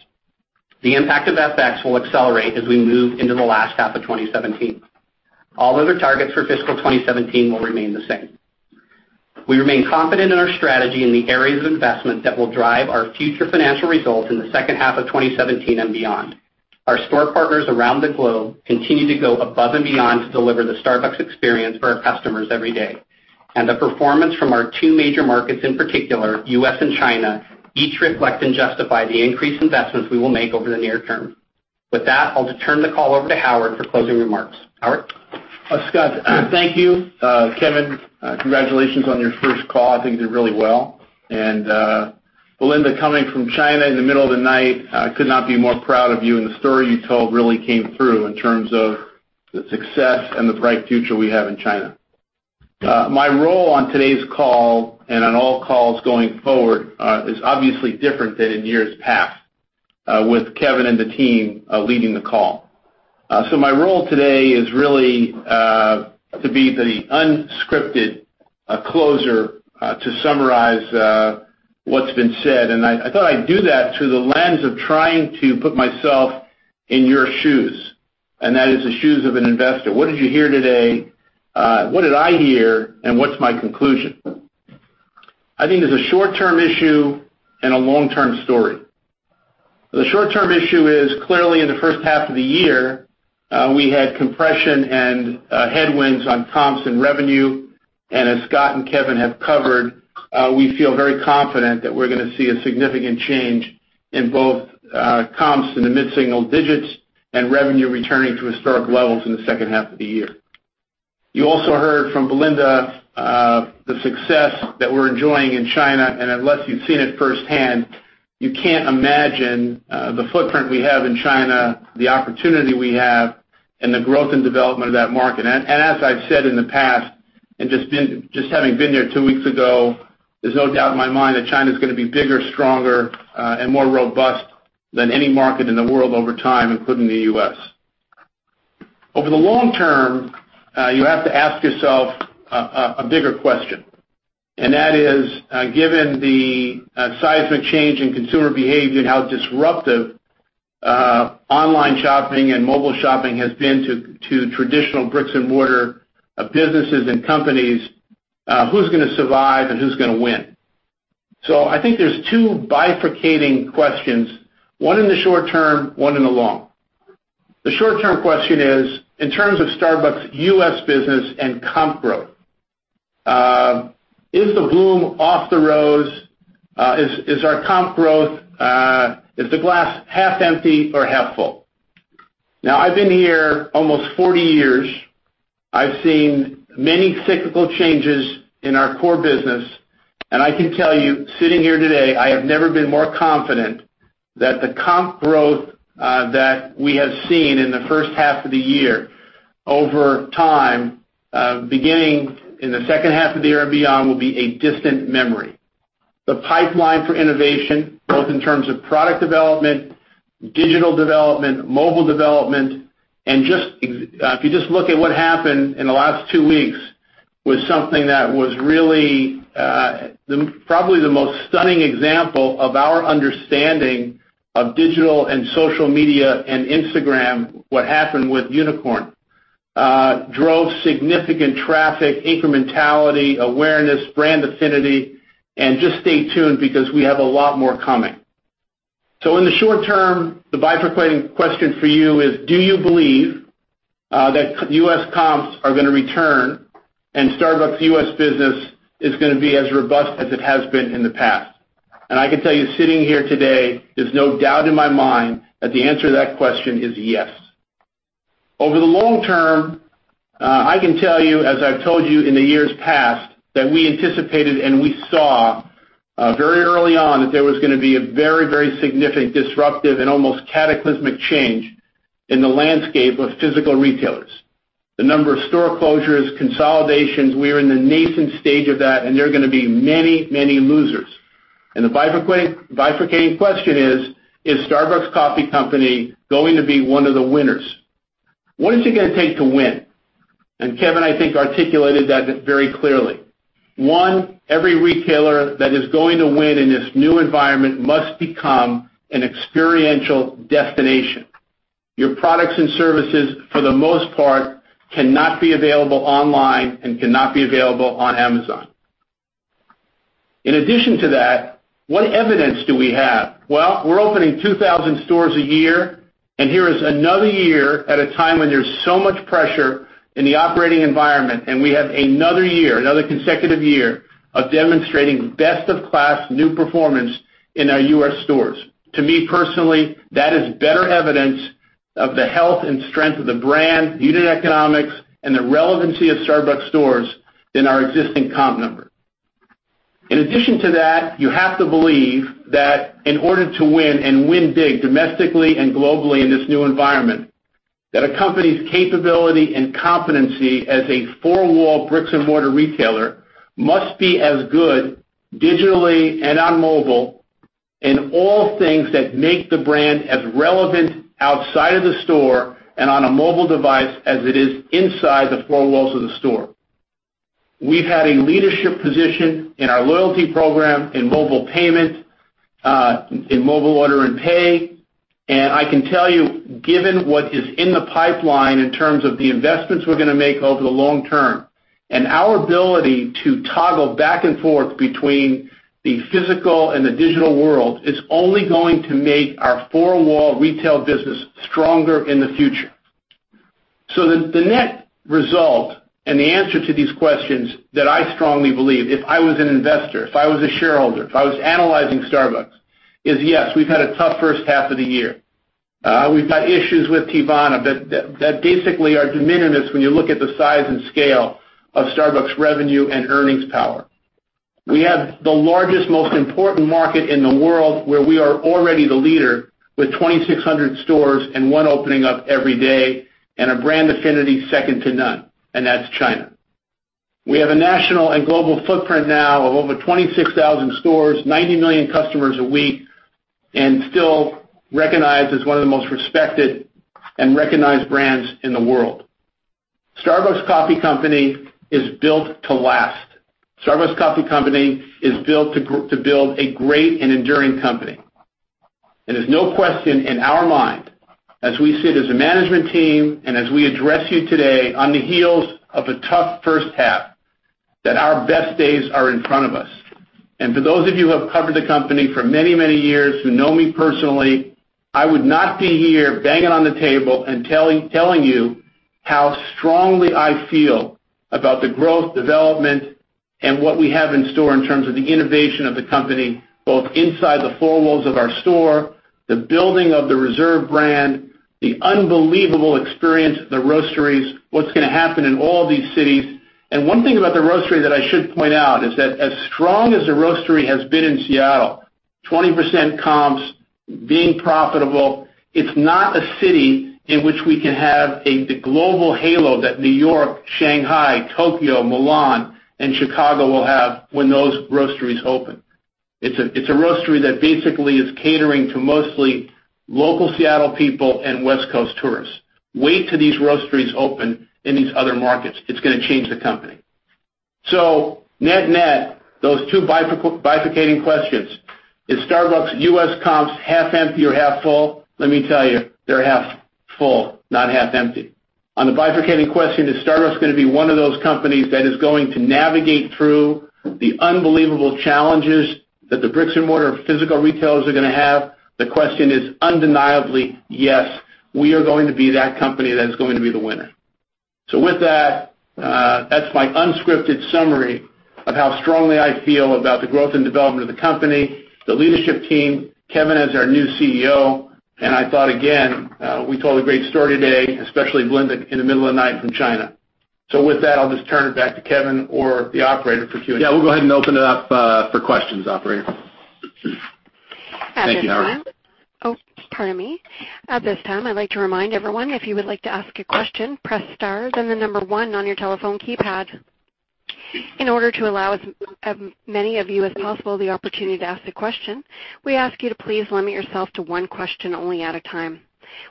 The impact of FX will accelerate as we move into the last half of 2017. All other targets for fiscal 2017 will remain the same. We remain confident in our strategy in the areas of investment that will drive our future financial results in the second half of 2017 and beyond. Our store partners around the globe continue to go above and beyond to deliver the Starbucks experience for our customers every day. The performance from our two major markets in particular, U.S. and China, each reflect and justify the increased investments we will make over the near term. With that, I'll turn the call over to Howard for closing remarks. Howard? Scott, thank you. Kevin, congratulations on your first call. I think you did really well. Belinda, coming from China in the middle of the night, I could not be more proud of you, and the story you told really came through in terms of the success and the bright future we have in China. My role on today's call, and on all calls going forward, is obviously different than in years past, with Kevin and the team leading the call. My role today is really to be the unscripted closer to summarize what's been said, and I thought I'd do that through the lens of trying to put myself in your shoes, and that is the shoes of an investor. What did you hear today? What did I hear, and what's my conclusion? I think there's a short-term issue and a long-term story. The short-term issue is, clearly in the first half of the year, we had compression and headwinds on comps and revenue. As Scott and Kevin have covered, we feel very confident that we're going to see a significant change in both comps in the mid-single digits and revenue returning to historic levels in the second half of the year. Unless you've seen it firsthand, you can't imagine the footprint we have in China, the opportunity we have, and the growth and development of that market. As I've said in the past. Just having been there two weeks ago, there's no doubt in my mind that China's going to be bigger, stronger, and more robust than any market in the world over time, including the U.S. Over the long term, you have to ask yourself a bigger question, and that is, given the seismic change in consumer behavior and how disruptive online shopping and mobile shopping has been to traditional bricks-and-mortar businesses and companies, who's going to survive and who's going to win? I think there's two bifurcating questions, one in the short term, one in the long. The short-term question is, in terms of Starbucks U.S. business and comp growth, is the bloom off the rose? Is the glass half empty or half full? I've been here almost 40 years. I've seen many cyclical changes in our core business, I can tell you, sitting here today, I have never been more confident that the comp growth that we have seen in the first half of the year over time, beginning in the second half of the year and beyond, will be a distant memory. The pipeline for innovation, both in terms of product development, digital development, mobile development, if you just look at what happened in the last two weeks, was something that was really probably the most stunning example of our understanding of digital and social media and Instagram, what happened with Unicorn. Drove significant traffic, incrementality, awareness, brand affinity, just stay tuned because we have a lot more coming. In the short term, the bifurcating question for you is, do you believe that U.S. comps are going to return and Starbucks U.S. business is going to be as robust as it has been in the past? I can tell you, sitting here today, there's no doubt in my mind that the answer to that question is yes. Over the long term, I can tell you, as I've told you in the years past, that we anticipated and we saw very early on that there was going to be a very significant disruptive and almost cataclysmic change in the landscape of physical retailers. The number of store closures, consolidations. We are in the nascent stage of that. There are going to be many losers. The bifurcating question is Starbucks Coffee Company going to be one of the winners? What is it going to take to win? Kevin, I think, articulated that very clearly. One, every retailer that is going to win in this new environment must become an experiential destination. Your products and services, for the most part, cannot be available online and cannot be available on Amazon. In addition to that, what evidence do we have? We're opening 2,000 stores a year, here is another year at a time when there's so much pressure in the operating environment, we have another year, another consecutive year, of demonstrating best-in-class new performance in our U.S. stores. To me personally, that is better evidence of the health and strength of the brand, unit economics, and the relevancy of Starbucks stores than our existing comp number. In addition to that, you have to believe that in order to win and win big domestically and globally in this new environment, that a company's capability and competency as a four-wall bricks-and-mortar retailer must be as good digitally and on mobile in all things that make the brand as relevant outside of the store and on a mobile device as it is inside the four walls of the store. We've had a leadership position in our loyalty program, in mobile payment, in Mobile Order & Pay, I can tell you, given what is in the pipeline in terms of the investments we're going to make over the long term, our ability to toggle back and forth between the physical and the digital world is only going to make our four-wall retail business stronger in the future. The net result and the answer to these questions that I strongly believe, if I was an investor, if I was a shareholder, if I was analyzing Starbucks, is yes, we've had a tough first half of the year. We've got issues with Teavana that basically are de minimis when you look at the size and scale of Starbucks' revenue and earnings power. We have the largest, most important market in the world where we are already the leader with 2,600 stores, one opening up every day, a brand affinity second to none, that's China. We have a national and global footprint now of over 26,000 stores, 90 million customers a week, still recognized as one of the most respected and recognized brands in the world. Starbucks Coffee Company is built to last. Starbucks Coffee Company is built to build a great and enduring company. There's no question in our mind, as we sit as a management team and as we address you today on the heels of a tough first half, that our best days are in front of us. For those of you who have covered the company for many years, who know me personally, I would not be here banging on the table and telling you how strongly I feel about the growth, development, and what we have in store in terms of the innovation of the company, both inside the four walls of our store, the building of the Reserve brand, the unbelievable experience, the roasteries, what's going to happen in all these cities. One thing about the roastery that I should point out is that as strong as the roastery has been in Seattle, 20% comps being profitable. It's not a city in which we can have the global halo that New York, Shanghai, Tokyo, Milan, and Chicago will have when those roasteries open. It's a roastery that basically is catering to mostly local Seattle people and West Coast tourists. Wait till these roasteries open in these other markets. It's going to change the company. Net-net, those two bifurcating questions. Is Starbucks U.S. comps half empty or half full? Let me tell you, they're half full, not half empty. On the bifurcating question, is Starbucks going to be one of those companies that is going to navigate through the unbelievable challenges that the bricks-and-mortar physical retailers are going to have? The question is undeniably yes. We are going to be that company that is going to be the winner. With that's my unscripted summary of how strongly I feel about the growth and development of the company, the leadership team, Kevin as our new CEO. I thought, again, we told a great story today, especially Belinda in the middle of the night from China. With that, I'll just turn it back to Kevin or the operator for Q&A. We'll go ahead and open it up for questions, operator. Thank you, Howard. At this time, I'd like to remind everyone, if you would like to ask a question, press star, then the number 1 on your telephone keypad. In order to allow as many of you as possible the opportunity to ask a question, we ask you to please limit yourself to one question only at a time.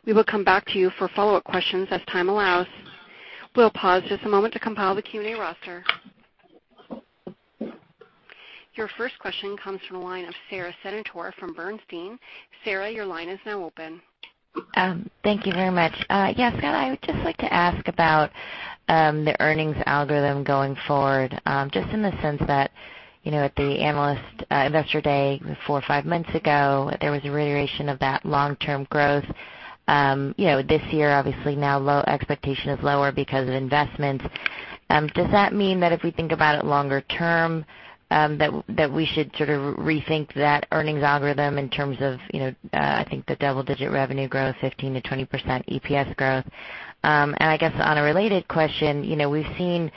We will come back to you for follow-up questions as time allows. We'll pause just a moment to compile the Q&A roster. Your first question comes from the line of Sara Senatore from Bernstein. Sara, your line is now open. Scott, I would just like to ask about the earnings algorithm going forward, just in the sense that at the investor day 4 or 5 months ago, there was a reiteration of that long-term growth. This year, obviously now expectation is lower because of investments. Does that mean that if we think about it longer term, that we should sort of rethink that earnings algorithm in terms of I think the double-digit revenue growth, 15%-20% EPS growth? I guess on a related question, we've seen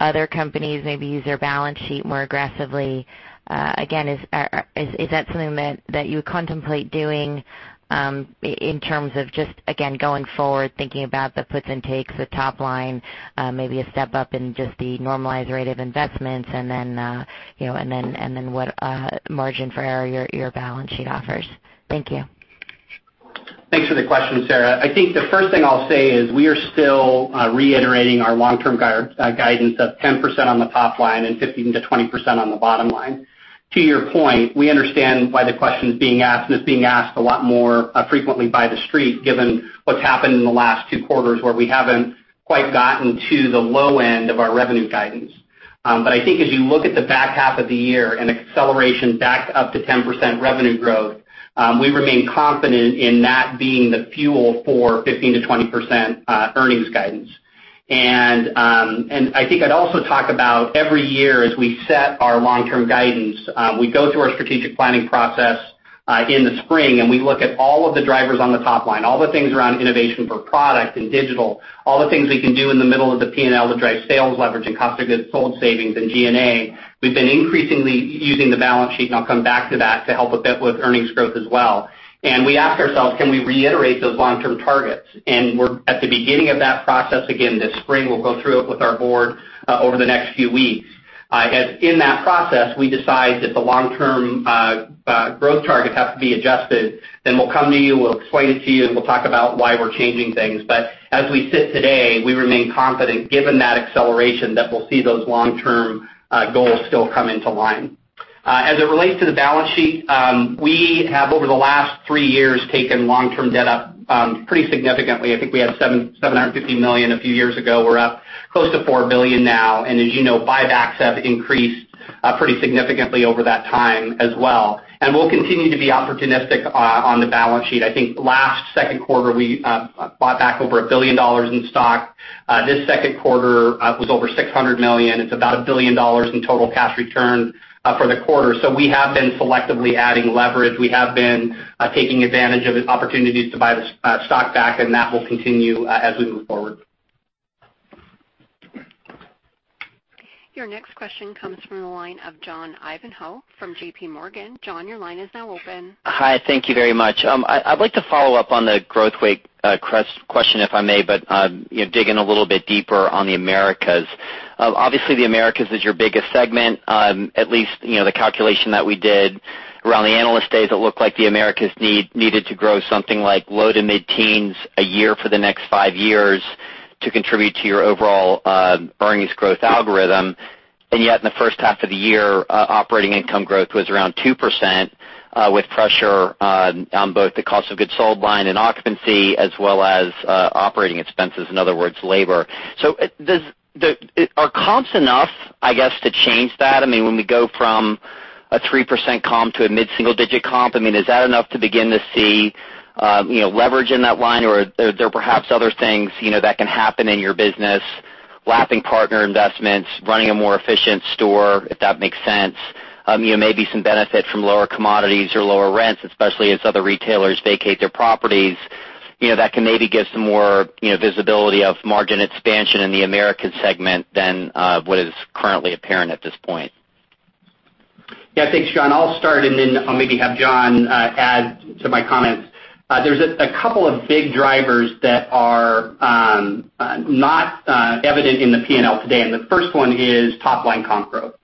other companies maybe use their balance sheet more aggressively. Again, is that something that you contemplate doing, in terms of just, again, going forward, thinking about the puts and takes the top line maybe a step up in just the normalized rate of investments and then what margin for error your balance sheet offers? Thank you. Thanks for the question, Sara. I think the first thing I'll say is we are still reiterating our long-term guidance of 10% on the top line and 15%-20% on the bottom line. To your point, we understand why the question's being asked, and it's being asked a lot more frequently by The Street, given what's happened in the last two quarters where we haven't quite gotten to the low end of our revenue guidance. I think as you look at the back half of the year and acceleration back up to 10% revenue growth, we remain confident in that being the fuel for 15%-20% earnings guidance. I think I'd also talk about every year, as we set our long-term guidance, we go through our strategic planning process in the spring, and we look at all of the drivers on the top line, all the things around innovation for product and digital, all the things we can do in the middle of the P&L to drive sales leverage and cost of goods sold savings and G&A. We've been increasingly using the balance sheet, and I'll come back to that, to help a bit with earnings growth as well. We ask ourselves, can we reiterate those long-term targets? We're at the beginning of that process again this spring. We'll go through it with our board over the next few weeks. As in that process, we decide that the long-term growth targets have to be adjusted, we'll come to you, we'll explain it to you, and we'll talk about why we're changing things. As we sit today, we remain confident, given that acceleration, that we'll see those long-term goals still come into line. As it relates to the balance sheet, we have, over the last three years, taken long-term debt up pretty significantly. I think we had $750 million a few years ago. We're up close to $4 billion now, and as you know, buybacks have increased pretty significantly over that time as well. We'll continue to be opportunistic on the balance sheet. I think last second quarter, we bought back over $1 billion in stock. This second quarter was over $600 million. It's about $1 billion in total cash return for the quarter. We have been selectively adding leverage. We have been taking advantage of opportunities to buy the stock back, and that will continue as we move forward. Your next question comes from the line of John Ivankoe from J.P. Morgan. John, your line is now open. Hi, thank you very much. I'd like to follow up on the growth weight question, if I may, but dig in a little bit deeper on the Americas. Obviously, the Americas is your biggest segment. At least, the calculation that we did around the analyst days, it looked like the Americas needed to grow something like low to mid-teens a year for the next five years to contribute to your overall earnings growth algorithm. Yet, in the first half of the year, operating income growth was around 2% with pressure on both the cost of goods sold line and occupancy as well as operating expenses, in other words, labor. Are comps enough, I guess, to change that? I mean, when we go from a 3% comp to a mid-single digit comp, I mean, is that enough to begin to see leverage in that line? There perhaps other things that can happen in your business, lapping partner investments, running a more efficient store, if that makes sense. Maybe some benefit from lower commodities or lower rents, especially as other retailers vacate their properties. That can maybe give some more visibility of margin expansion in the Americas segment than what is currently apparent at this point. Thanks, John. I'll start. Then I'll maybe have John add to my comments. There's a couple of big drivers that are not evident in the P&L today. The first one is top-line comp growth.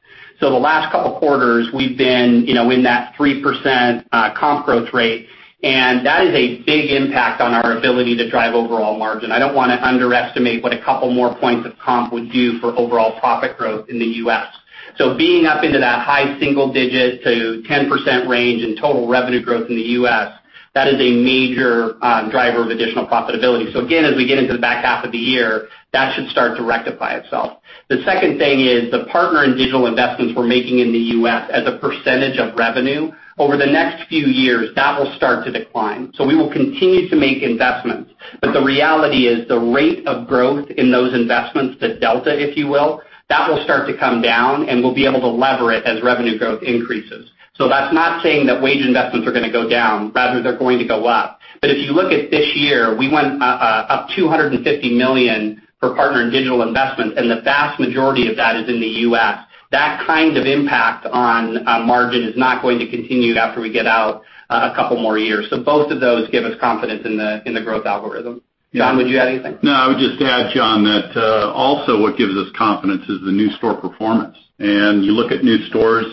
The last couple of quarters we've been in that 3% comp growth rate, and that is a big impact on our ability to drive overall margin. I don't want to underestimate what a couple more points of comp would do for overall profit growth in the U.S. Being up into that high single digit to 10% range in total revenue growth in the U.S., that is a major driver of additional profitability. Again, as we get into the back half of the year, that should start to rectify itself. The second thing is the partner in digital investments we're making in the U.S. as a percentage of revenue. Over the next few years, that will start to decline. We will continue to make investments, but the reality is the rate of growth in those investments, the delta, if you will, that will start to come down. We'll be able to lever it as revenue growth increases. That's not saying that wage investments are going to go down, rather they're going to go up. If you look at this year, we went up $250 million for partner and digital investments, and the vast majority of that is in the U.S. That kind of impact on margin is not going to continue after we get out a couple more years. Both of those give us confidence in the growth algorithm. John, would you add anything? I would just add, John, that also what gives us confidence is the new store performance. You look at new stores,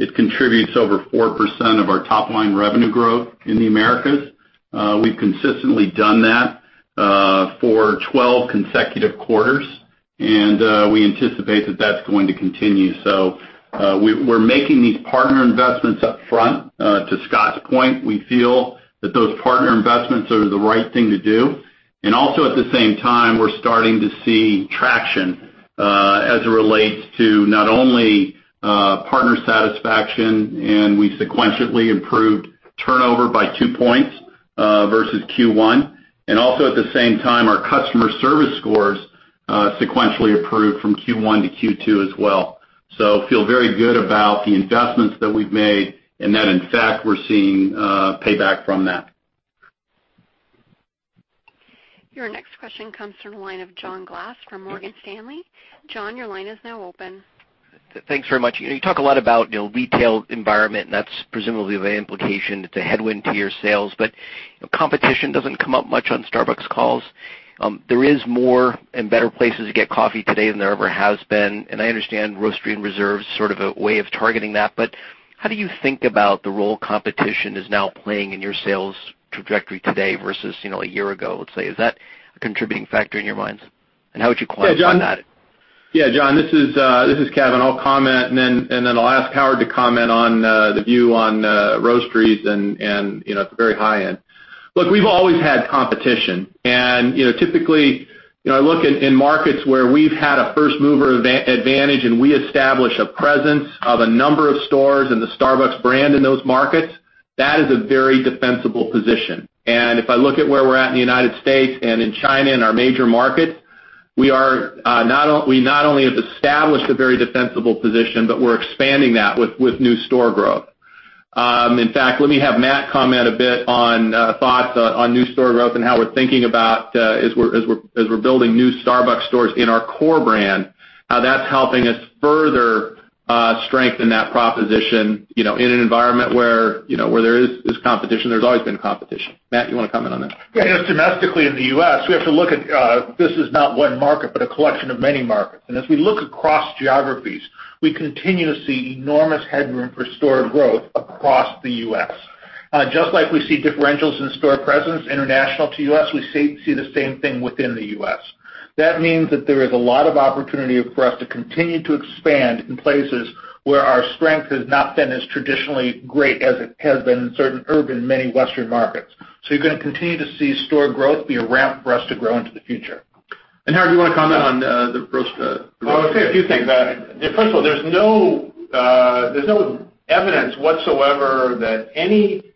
it contributes over 4% of our top-line revenue growth in the Americas. We've consistently done that for 12 consecutive quarters, and we anticipate that that's going to continue. We're making these partner investments up front. To Scott Maw's point, we feel that those partner investments are the right thing to do. Also at the same time, we're starting to see traction as it relates to not only partner satisfaction. We sequentially improved turnover by two points versus Q1, and also at the same time, our customer service scores sequentially improved from Q1 to Q2 as well. Feel very good about the investments that we've made and that in fact, we're seeing payback from that. Your next question comes from the line of John Glass from Morgan Stanley. John, your line is now open. Thanks very much. You talk a lot about retail environment, and that's presumably the implication. It's a headwind to your sales. Competition doesn't come up much on Starbucks calls. There is more and better places to get coffee today than there ever has been. I understand Roastery and Reserve's sort of a way of targeting that. How do you think about the role competition is now playing in your sales trajectory today versus a year ago, let's say? Is that a contributing factor in your minds? How would you quantify that? Yeah, John, this is Kevin. I'll comment, and then I'll ask Howard to comment on the view on Roasteries and at the very high end. Look, we've always had competition. Typically, I look in markets where we've had a first-mover advantage, and we establish a presence of a number of stores and the Starbucks brand in those markets. That is a very defensible position. If I look at where we're at in the United States and in China and our major markets, we not only have established a very defensible position, but we're expanding that with new store growth. In fact, let me have Matt comment a bit on thoughts on new store growth and how we're thinking about as we're building new Starbucks stores in our core brand, how that's helping us further strengthen that proposition in an environment where there is this competition. There's always been competition. Matt, you want to comment on that? Yeah. Domestically in the U.S., we have to look at this as not one market, but a collection of many markets. As we look across geographies, we continue to see enormous headroom for store growth across the U.S. Just like we see differentials in store presence international to U.S., we see the same thing within the U.S. That means that there is a lot of opportunity for us to continue to expand in places where our strength has not been as traditionally great as it has been in certain urban, many Western markets. You're going to continue to see store growth be a ramp for us to grow into the future. Howard, you want to comment on the roast? I would say a few things. First of all, there's no evidence whatsoever that any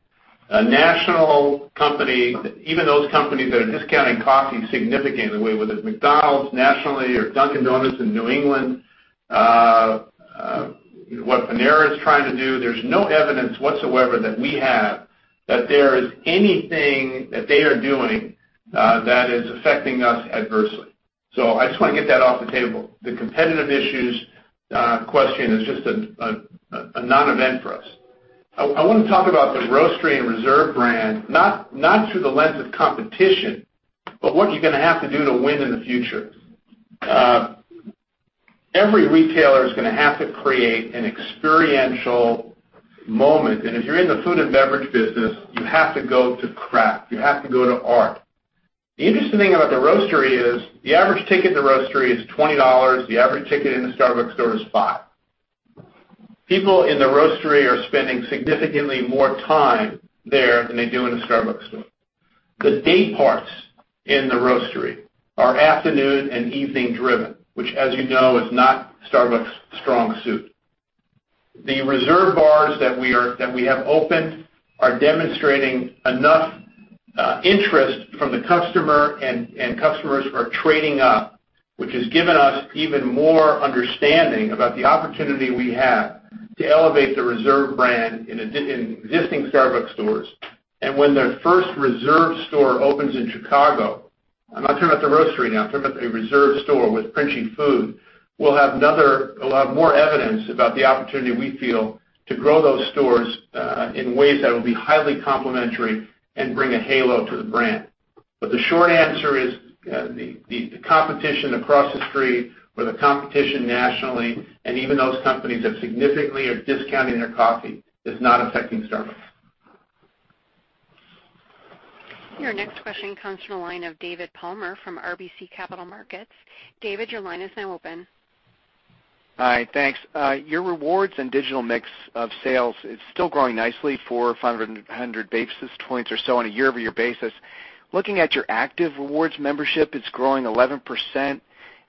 national company, even those companies that are discounting coffee significantly, whether it's McDonald's nationally or Dunkin' Donuts in New England, what Panera is trying to do, there's no evidence whatsoever that we have that there is anything that they are doing that is affecting us adversely. I just want to get that off the table. The competitive issues question is just a non-event for us. I want to talk about the Roastery and Reserve brand, not through the lens of competition, but what you're going to have to do to win in the future. Every retailer is going to have to create an experiential moment, and if you're in the food and beverage business, you have to go to craft. You have to go to art. The interesting thing about the Roastery is the average ticket in the Roastery is $20. The average ticket in the Starbucks store is five. People in the Roastery are spending significantly more time there than they do in a Starbucks store. The day parts in the Roastery are afternoon and evening driven, which, as you know, is not Starbucks' strong suit. The Reserve bars that we have opened are demonstrating enough interest from the customer, and customers are trading up. Which has given us even more understanding about the opportunity we have to elevate the Reserve brand in existing Starbucks stores. When the first Reserve store opens in Chicago, I'm not talking about the Roastery now, I'm talking about the Reserve store with Princi food, we'll have a lot more evidence about the opportunity we feel to grow those stores in ways that will be highly complementary and bring a halo to the brand. The short answer is, the competition across the street or the competition nationally, and even those companies that significantly are discounting their coffee, is not affecting Starbucks. Your next question comes from the line of David Palmer from RBC Capital Markets. David, your line is now open. Hi, thanks. Your rewards and digital mix of sales is still growing nicely, 400 or 500 basis points or so on a year-over-year basis. Looking at your active rewards membership, it's growing 11%,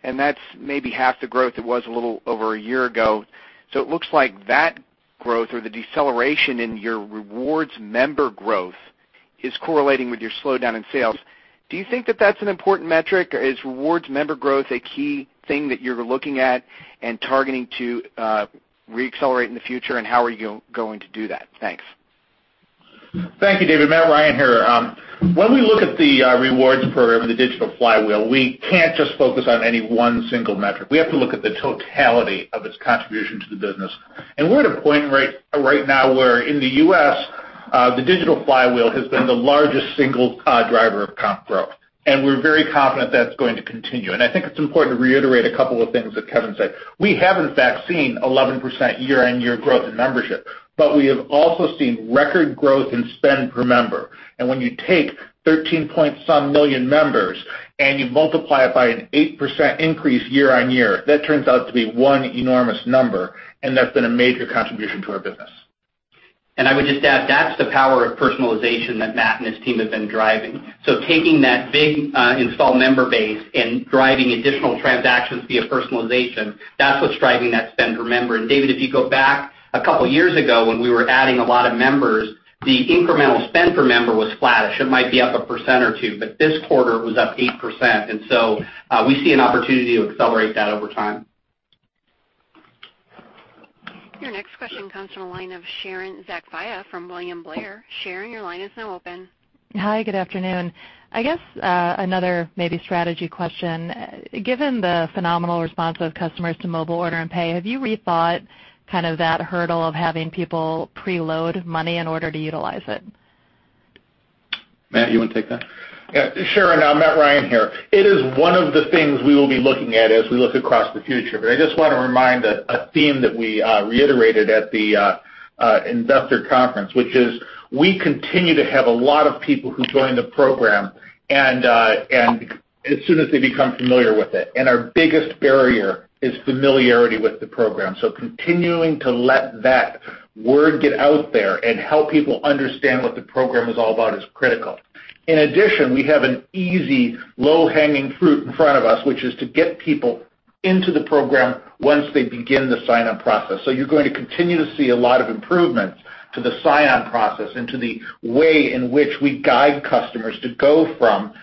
and that's maybe half the growth it was a little over a year ago. It looks like that growth or the deceleration in your rewards member growth is correlating with your slowdown in sales. Do you think that that's an important metric? Is rewards member growth a key thing that you're looking at and targeting to re-accelerate in the future? How are you going to do that? Thanks. Thank you, David. Matthew Ryan here. When we look at the rewards program and the digital flywheel, we can't just focus on any one single metric. We have to look at the totality of its contribution to the business. We're at a point right now where in the U.S., the digital flywheel has been the largest single driver of comp growth. We're very confident that's going to continue. I think it's important to reiterate a couple of things that Kevin said. We have, in fact, seen 11% year-on-year growth in membership, but we have also seen record growth in spend per member. When you take 13 point some million members and you multiply it by an 8% increase year-on-year, that turns out to be one enormous number, and that's been a major contribution to our business. I would just add, that's the power of personalization that Matt and his team have been driving. Taking that big installed member base and driving additional transactions via personalization, that's what's driving that spend per member. David, if you go back a couple of years ago when we were adding a lot of members, the incremental spend per member was flattish. It might be up a % or two, but this quarter was up 8%. We see an opportunity to accelerate that over time. Your next question comes from the line of Sharon Zackfia from William Blair. Sharon, your line is now open. Hi, good afternoon. I guess another maybe strategy question. Given the phenomenal response of customers to Mobile Order & Pay, have you rethought that hurdle of having people preload money in order to utilize it? Matt, you want to take that? Yeah. Sharon, Matthew Ryan here. It is one of the things we will be looking at as we look across the future. I just want to remind a theme that we reiterated at the investor conference, which is we continue to have a lot of people who join the program, and as soon as they become familiar with it. Our biggest barrier is familiarity with the program. Continuing to let that word get out there and help people understand what the program is all about is critical. In addition, we have an easy low-hanging fruit in front of us, which is to get people into the program once they begin the sign-up process. You're going to continue to see a lot of improvements to the sign-on process and to the way in which we guide customers to go from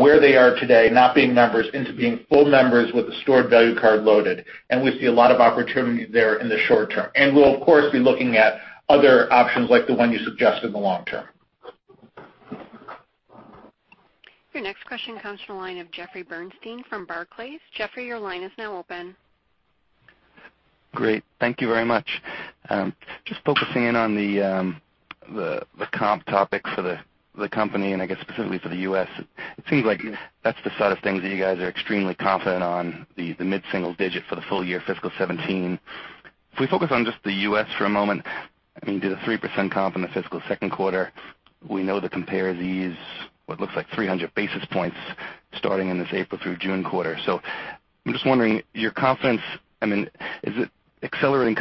where they are today, not being members, into being full members with a stored value card loaded. We see a lot of opportunity there in the short term. We'll, of course, be looking at other options like the one you suggested in the long term. Your next question comes from the line of Jeffrey Bernstein from Barclays. Jeffrey, your line is now open. Great. Thank you very much. Just focusing in on the comp topic for the company, and I guess specifically for the U.S., it seems like that's the side of things that you guys are extremely confident on, the mid-single digit for the full year fiscal 2017. If we focus on just the U.S. for a moment, you did a 3% comp in the fiscal second quarter. We know the compare is what looks like 300 basis points starting in this April through June quarter. I'm just wondering your confidence, is it accelerating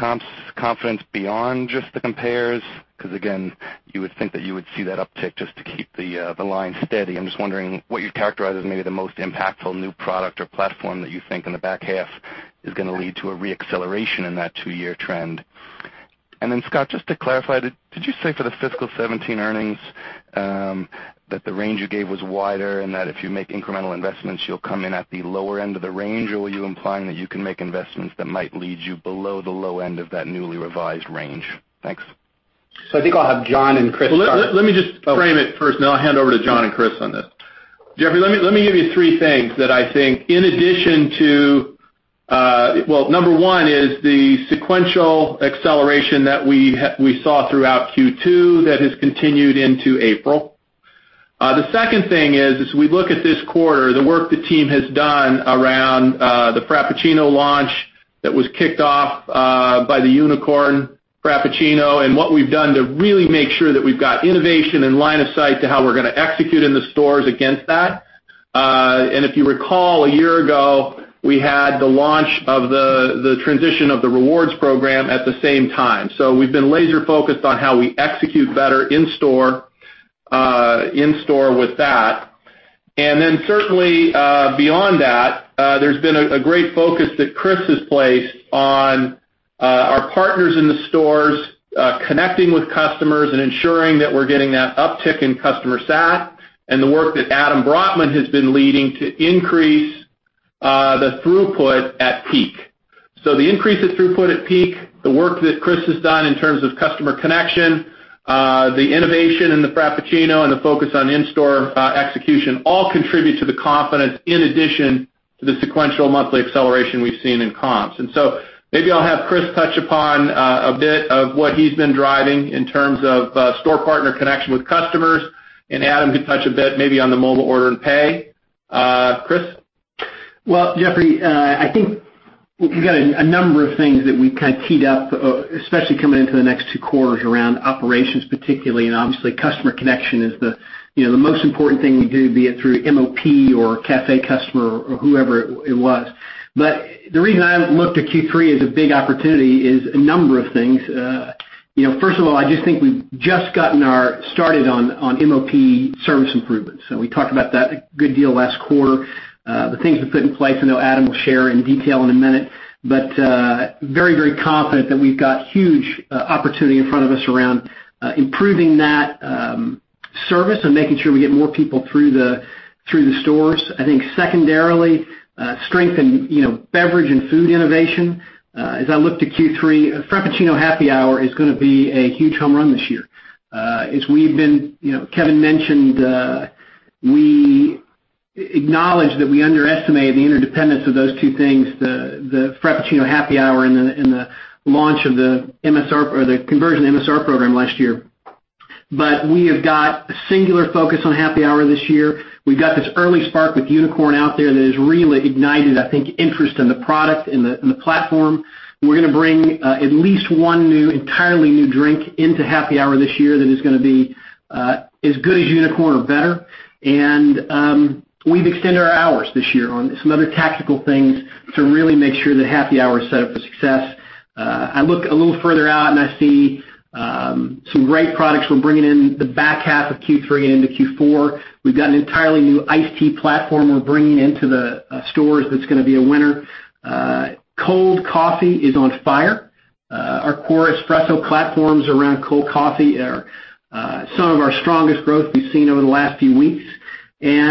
confidence beyond just the compares? Again, you would think that you would see that uptick just to keep the line steady. I'm just wondering what you'd characterize as maybe the most impactful new product or platform that you think in the back half is going to lead to a re-acceleration in that two-year trend. Scott, just to clarify, did you say for the fiscal 2017 earnings, that the range you gave was wider and that if you make incremental investments, you'll come in at the lower end of the range? Or were you implying that you can make investments that might lead you below the low end of that newly revised range? Thanks. I think I'll have John and Kris start. Let me just frame it first, and then I'll hand over to John and Kris on this. Jeffrey, let me give you three things that I think in addition to, well, number one is the sequential acceleration that we saw throughout Q2 that has continued into April. The second thing is, as we look at this quarter, the work the team has done around the Frappuccino launch that was kicked off by the Unicorn Frappuccino, and what we've done to really make sure that we've got innovation and line of sight to how we're going to execute in the stores against that. If you recall, a year ago, we had the launch of the transition of the Starbucks Rewards program at the same time. We've been laser-focused on how we execute better in-store with that. Certainly beyond that, there's been a great focus that Kris has placed on Our partners in the stores connecting with customers and ensuring that we're getting that uptick in customer sat, and the work that Adam Brotman has been leading to increase the throughput at peak. The increase of throughput at peak, the work that Kris has done in terms of customer connection, the innovation in the Frappuccino, and the focus on in-store execution all contribute to the confidence in addition to the sequential monthly acceleration we've seen in comps. Maybe I'll have Kris touch upon a bit of what he's been driving in terms of store partner connection with customers, and Adam could touch a bit maybe on the Mobile Order & Pay. Kris? Jeffrey, I think we've got a number of things that we've kind of teed up, especially coming into the next two quarters around operations particularly, and obviously customer connection is the most important thing we do, be it through MOP or cafe customer or whoever it was. The reason I looked at Q3 as a big opportunity is a number of things. First of all, I just think we've just gotten started on MOP service improvements. We talked about that a good deal last quarter. The things we put in place, I know Adam will share in detail in a minute, but very confident that we've got huge opportunity in front of us around improving that service and making sure we get more people through the stores. I think secondarily, strengthen beverage and food innovation. As I look to Q3, Frappuccino Happy Hour is going to be a huge home run this year. As Kevin mentioned, we acknowledge that we underestimated the interdependence of those two things, the Frappuccino Happy Hour and the launch of the conversion MSR program last year. We have got a singular focus on Happy Hour this year. We've got this early spark with Unicorn out there that has really ignited, I think, interest in the product and the platform. We're going to bring at least one entirely new drink into Happy Hour this year that is going to be as good as Unicorn or better. We've extended our hours this year on some other tactical things to really make sure that Happy Hour is set up for success. I look a little further out and I see some great products we're bringing in the back half of Q3 into Q4. We've got an entirely new iced tea platform we're bringing into the stores that's going to be a winner. Cold coffee is on fire. Our core espresso platforms around cold coffee are some of our strongest growth we've seen over the last few weeks. Food.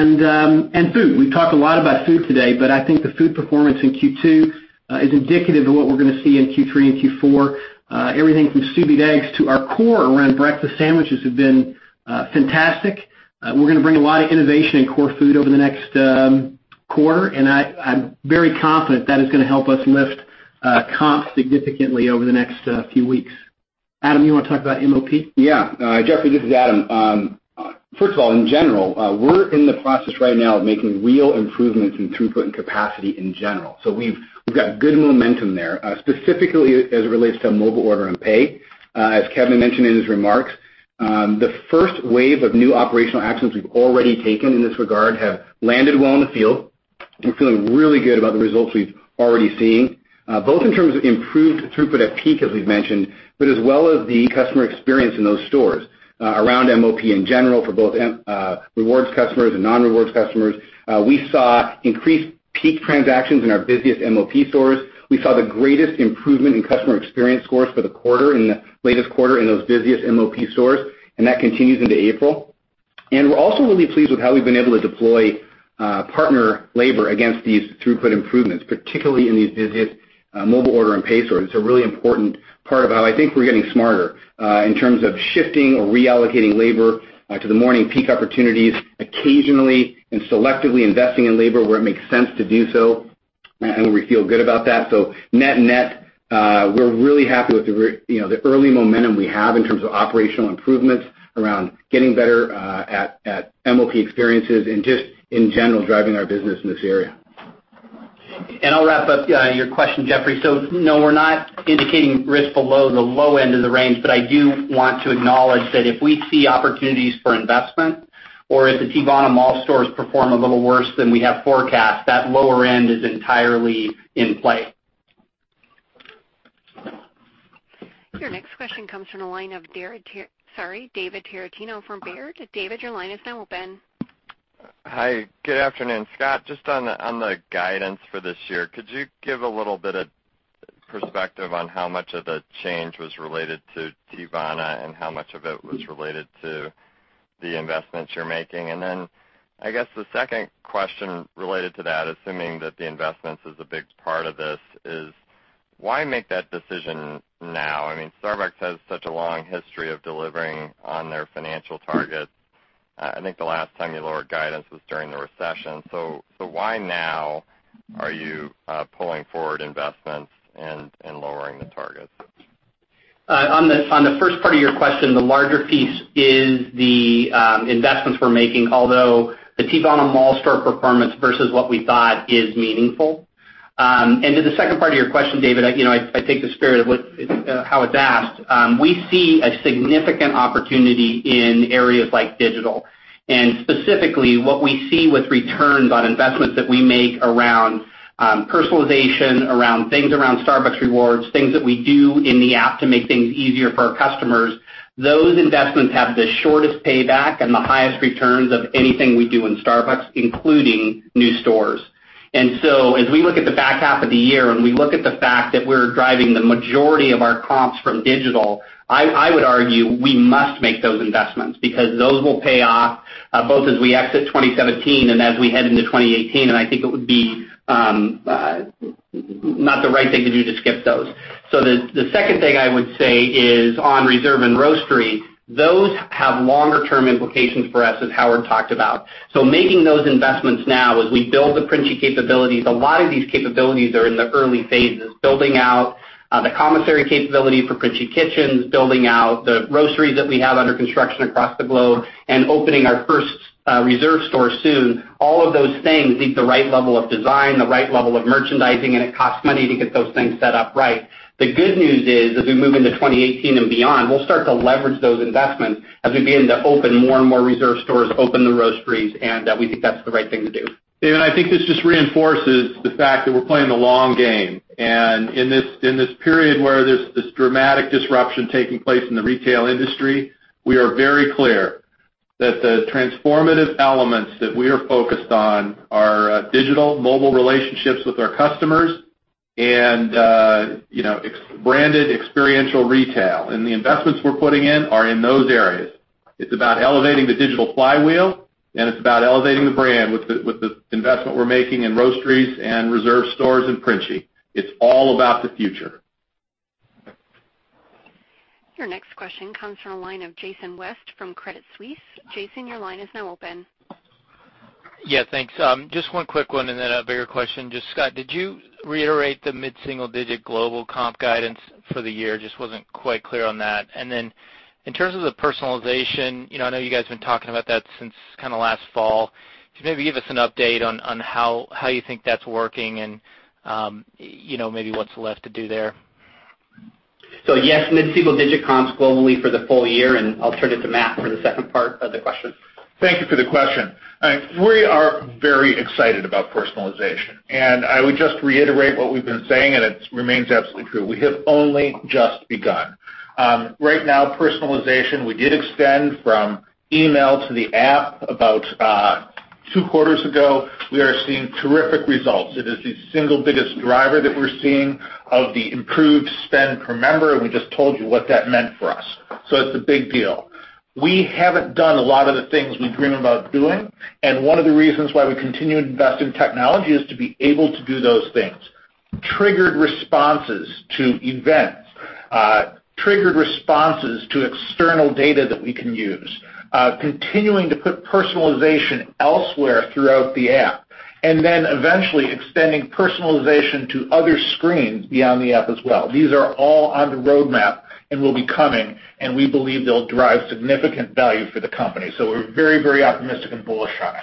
I think the food performance in Q2 is indicative of what we're going to see in Q3 and Q4. Everything from sous vide eggs to our core around breakfast sandwiches have been fantastic. We're going to bring a lot of innovation in core food over the next quarter, and I'm very confident that is going to help us lift comps significantly over the next few weeks. Adam, you want to talk about MOP? Jeffrey, this is Adam. First of all, in general, we're in the process right now of making real improvements in throughput and capacity in general. We've got good momentum there, specifically as it relates to Mobile Order & Pay. As Kevin mentioned in his remarks, the first wave of new operational actions we've already taken in this regard have landed well in the field, We're feeling really good about the results we've already seen, both in terms of improved throughput at peak, as we've mentioned, as well as the customer experience in those stores. Around MOP in general, for both rewards customers and non-rewards customers, we saw increased peak transactions in our busiest MOP stores. We saw the greatest improvement in customer experience scores for the latest quarter in those busiest MOP stores, and that continues into April. We're also really pleased with how we've been able to deploy partner labor against these throughput improvements, particularly in these busy Mobile Order & Pay stores. It's a really important part of how I think we're getting smarter in terms of shifting or reallocating labor to the morning peak opportunities occasionally and selectively investing in labor where it makes sense to do so, we feel good about that. Net, we're really happy with the early momentum we have in terms of operational improvements around getting better at MOP experiences and just in general driving our business in this area. I'll wrap up your question, Jeffrey. No, we're not indicating risk below the low end of the range, but I do want to acknowledge that if we see opportunities for investment or if the Teavana mall stores perform a little worse than we have forecast, that lower end is entirely in play. Your next question comes from the line of David Tarantino from Baird. David, your line is now open. Hi, good afternoon. Scott, just on the guidance for this year, could you give a little bit of perspective on how much of the change was related to Teavana and how much of it was related to the investments you're making? Then I guess the second question related to that, assuming that the investments is a big part of this, is why make that decision now? Starbucks has such a long history of delivering on their financial targets. I think the last time you lowered guidance was during the recession. Why now are you pulling forward investments and lowering the targets? On the first part of your question, the larger piece is the investments we're making, although the Teavana mall store performance versus what we thought is meaningful. To the second part of your question, David, I take the spirit of how it's asked. We see a significant opportunity in areas like digital, specifically what we see with returns on investments that we make around personalization, around things around Starbucks Rewards, things that we do in the app to make things easier for our customers. Those investments have the shortest payback and the highest returns of anything we do in Starbucks, including new stores. As we look at the back half of the year, and we look at the fact that we're driving the majority of our comps from digital, I would argue we must make those investments because those will pay off both as we exit 2017 and as we head into 2018, and I think it would be not the right thing to do to skip those. The second thing I would say is on Reserve and Roastery, those have longer-term implications for us as Howard talked about. Making those investments now as we build the Princi capabilities, a lot of these capabilities are in the early phases, building out the commissary capability for Princi kitchens, building out the Roasteries that we have under construction across the globe and opening our first Reserve store soon. All of those things need the right level of design, the right level of merchandising, and it costs money to get those things set up right. The good news is, as we move into 2018 and beyond, we'll start to leverage those investments as we begin to open more and more Reserve stores, open the Roasteries, and we think that's the right thing to do. David, I think this just reinforces the fact that we're playing the long game. In this period where there's this dramatic disruption taking place in the retail industry, we are very clear that the transformative elements that we are focused on are digital mobile relationships with our customers and branded experiential retail. The investments we're putting in are in those areas. It's about elevating the digital flywheel, and it's about elevating the brand with the investment we're making in Roasteries and Reserve stores and Princi. It's all about the future. Your next question comes from the line of Jason West from Credit Suisse. Jason, your line is now open. Yeah, thanks. Just one quick one and then a bigger question. Just Scott, did you reiterate the mid-single digit global comp guidance for the year? Just wasn't quite clear on that. In terms of the personalization, I know you guys have been talking about that since last fall. Can you maybe give us an update on how you think that's working and maybe what's left to do there? Yes, mid-single digit comps globally for the full year. I'll turn it to Matt for the second part of the question. Thank you for the question. We are very excited about personalization. I would just reiterate what we've been saying. It remains absolutely true. We have only just begun. Right now, personalization, we did extend from email to the app about two quarters ago. We are seeing terrific results. It is the single biggest driver that we're seeing of the improved spend per member. We just told you what that meant for us. It's a big deal. We haven't done a lot of the things we dream about doing. One of the reasons why we continue to invest in technology is to be able to do those things. Triggered responses to events, triggered responses to external data that we can use, continuing to put personalization elsewhere throughout the app, eventually extending personalization to other screens beyond the app as well. These are all on the roadmap and will be coming. We believe they'll drive significant value for the company. We're very optimistic and bullish on it.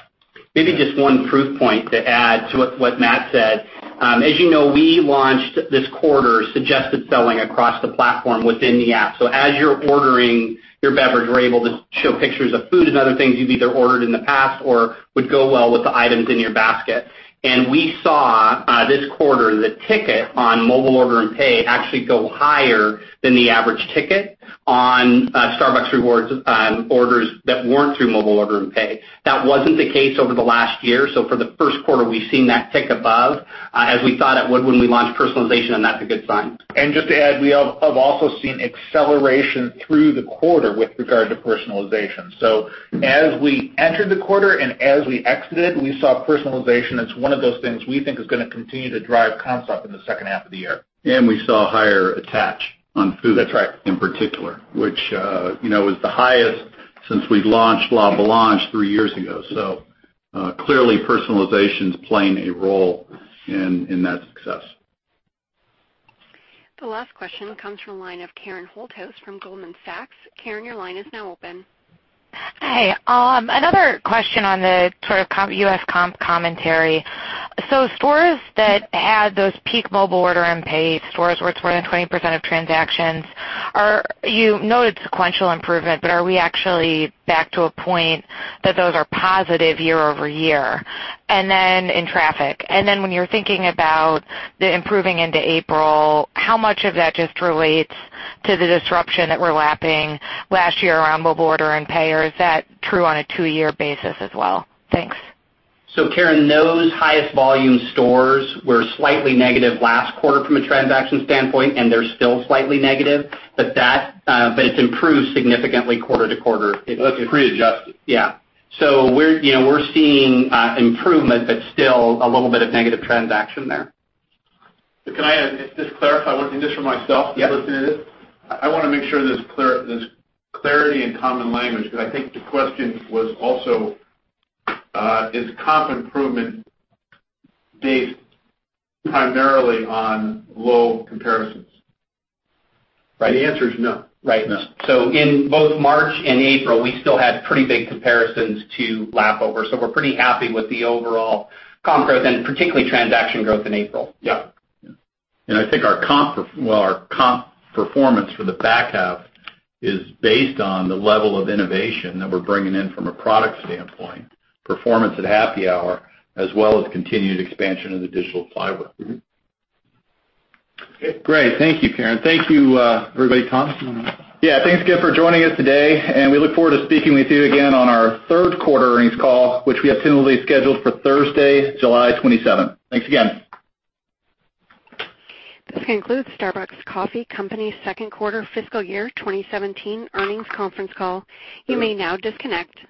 Maybe just one proof point to add to what Matt said. As you know, we launched this quarter suggested selling across the platform within the app. As you're ordering your beverage, we're able to show pictures of food and other things you've either ordered in the past or would go well with the items in your basket. We saw this quarter the ticket on Mobile Order & Pay actually go higher than the average ticket on Starbucks Rewards orders that weren't through Mobile Order & Pay. That wasn't the case over the last year. For the first quarter, we've seen that tick above, as we thought it would when we launched personalization, and that's a good sign. Just to add, we have also seen acceleration through the quarter with regard to personalization. As we entered the quarter and as we exited, we saw personalization as one of those things we think is going to continue to drive comps up in the second half of the year. We saw higher attach on food. That's right in particular, which is the highest since we launched La Boulange three years ago. Clearly, personalization's playing a role in that success. The last question comes from the line of Karen Holthouse from Goldman Sachs. Karen, your line is now open. Hey. Another question on the sort of U.S. comp commentary. Stores that had those peak Mobile Order & Pay stores where it's more than 20% of transactions, you noted sequential improvement, but are we actually back to a point that those are positive year-over-year and then in traffic? When you're thinking about the improving into April, how much of that just relates to the disruption that we're lapping last year around Mobile Order & Pay, or is that true on a two-year basis as well? Thanks. Karen, those highest volume stores were slightly negative last quarter from a transaction standpoint, and they're still slightly negative, but it's improved significantly quarter to quarter. It pre-adjusted. Yeah. We're seeing improvement, but still a little bit of negative transaction there. Can I just clarify one thing, just for myself listening to this? Yeah. I want to make sure there's clarity in common language because I think the question was also, is comp improvement based primarily on low comparisons? Right. The answer is no. Right. No. In both March and April, we still had pretty big comparisons to lap over. We're pretty happy with the overall comp growth and particularly transaction growth in April. Yeah. I think our comp performance for the back half is based on the level of innovation that we're bringing in from a product standpoint, performance at Happy Hour, as well as continued expansion of the digital flywheel. Okay, great. Thank you, Karen. Thank you, everybody. Tom? You're on mute. Thanks again for joining us today, we look forward to speaking with you again on our third quarter earnings call, which we have tentatively scheduled for Thursday, July 27th. Thanks again. This concludes Starbucks Coffee Company second quarter fiscal year 2017 earnings conference call. You may now disconnect.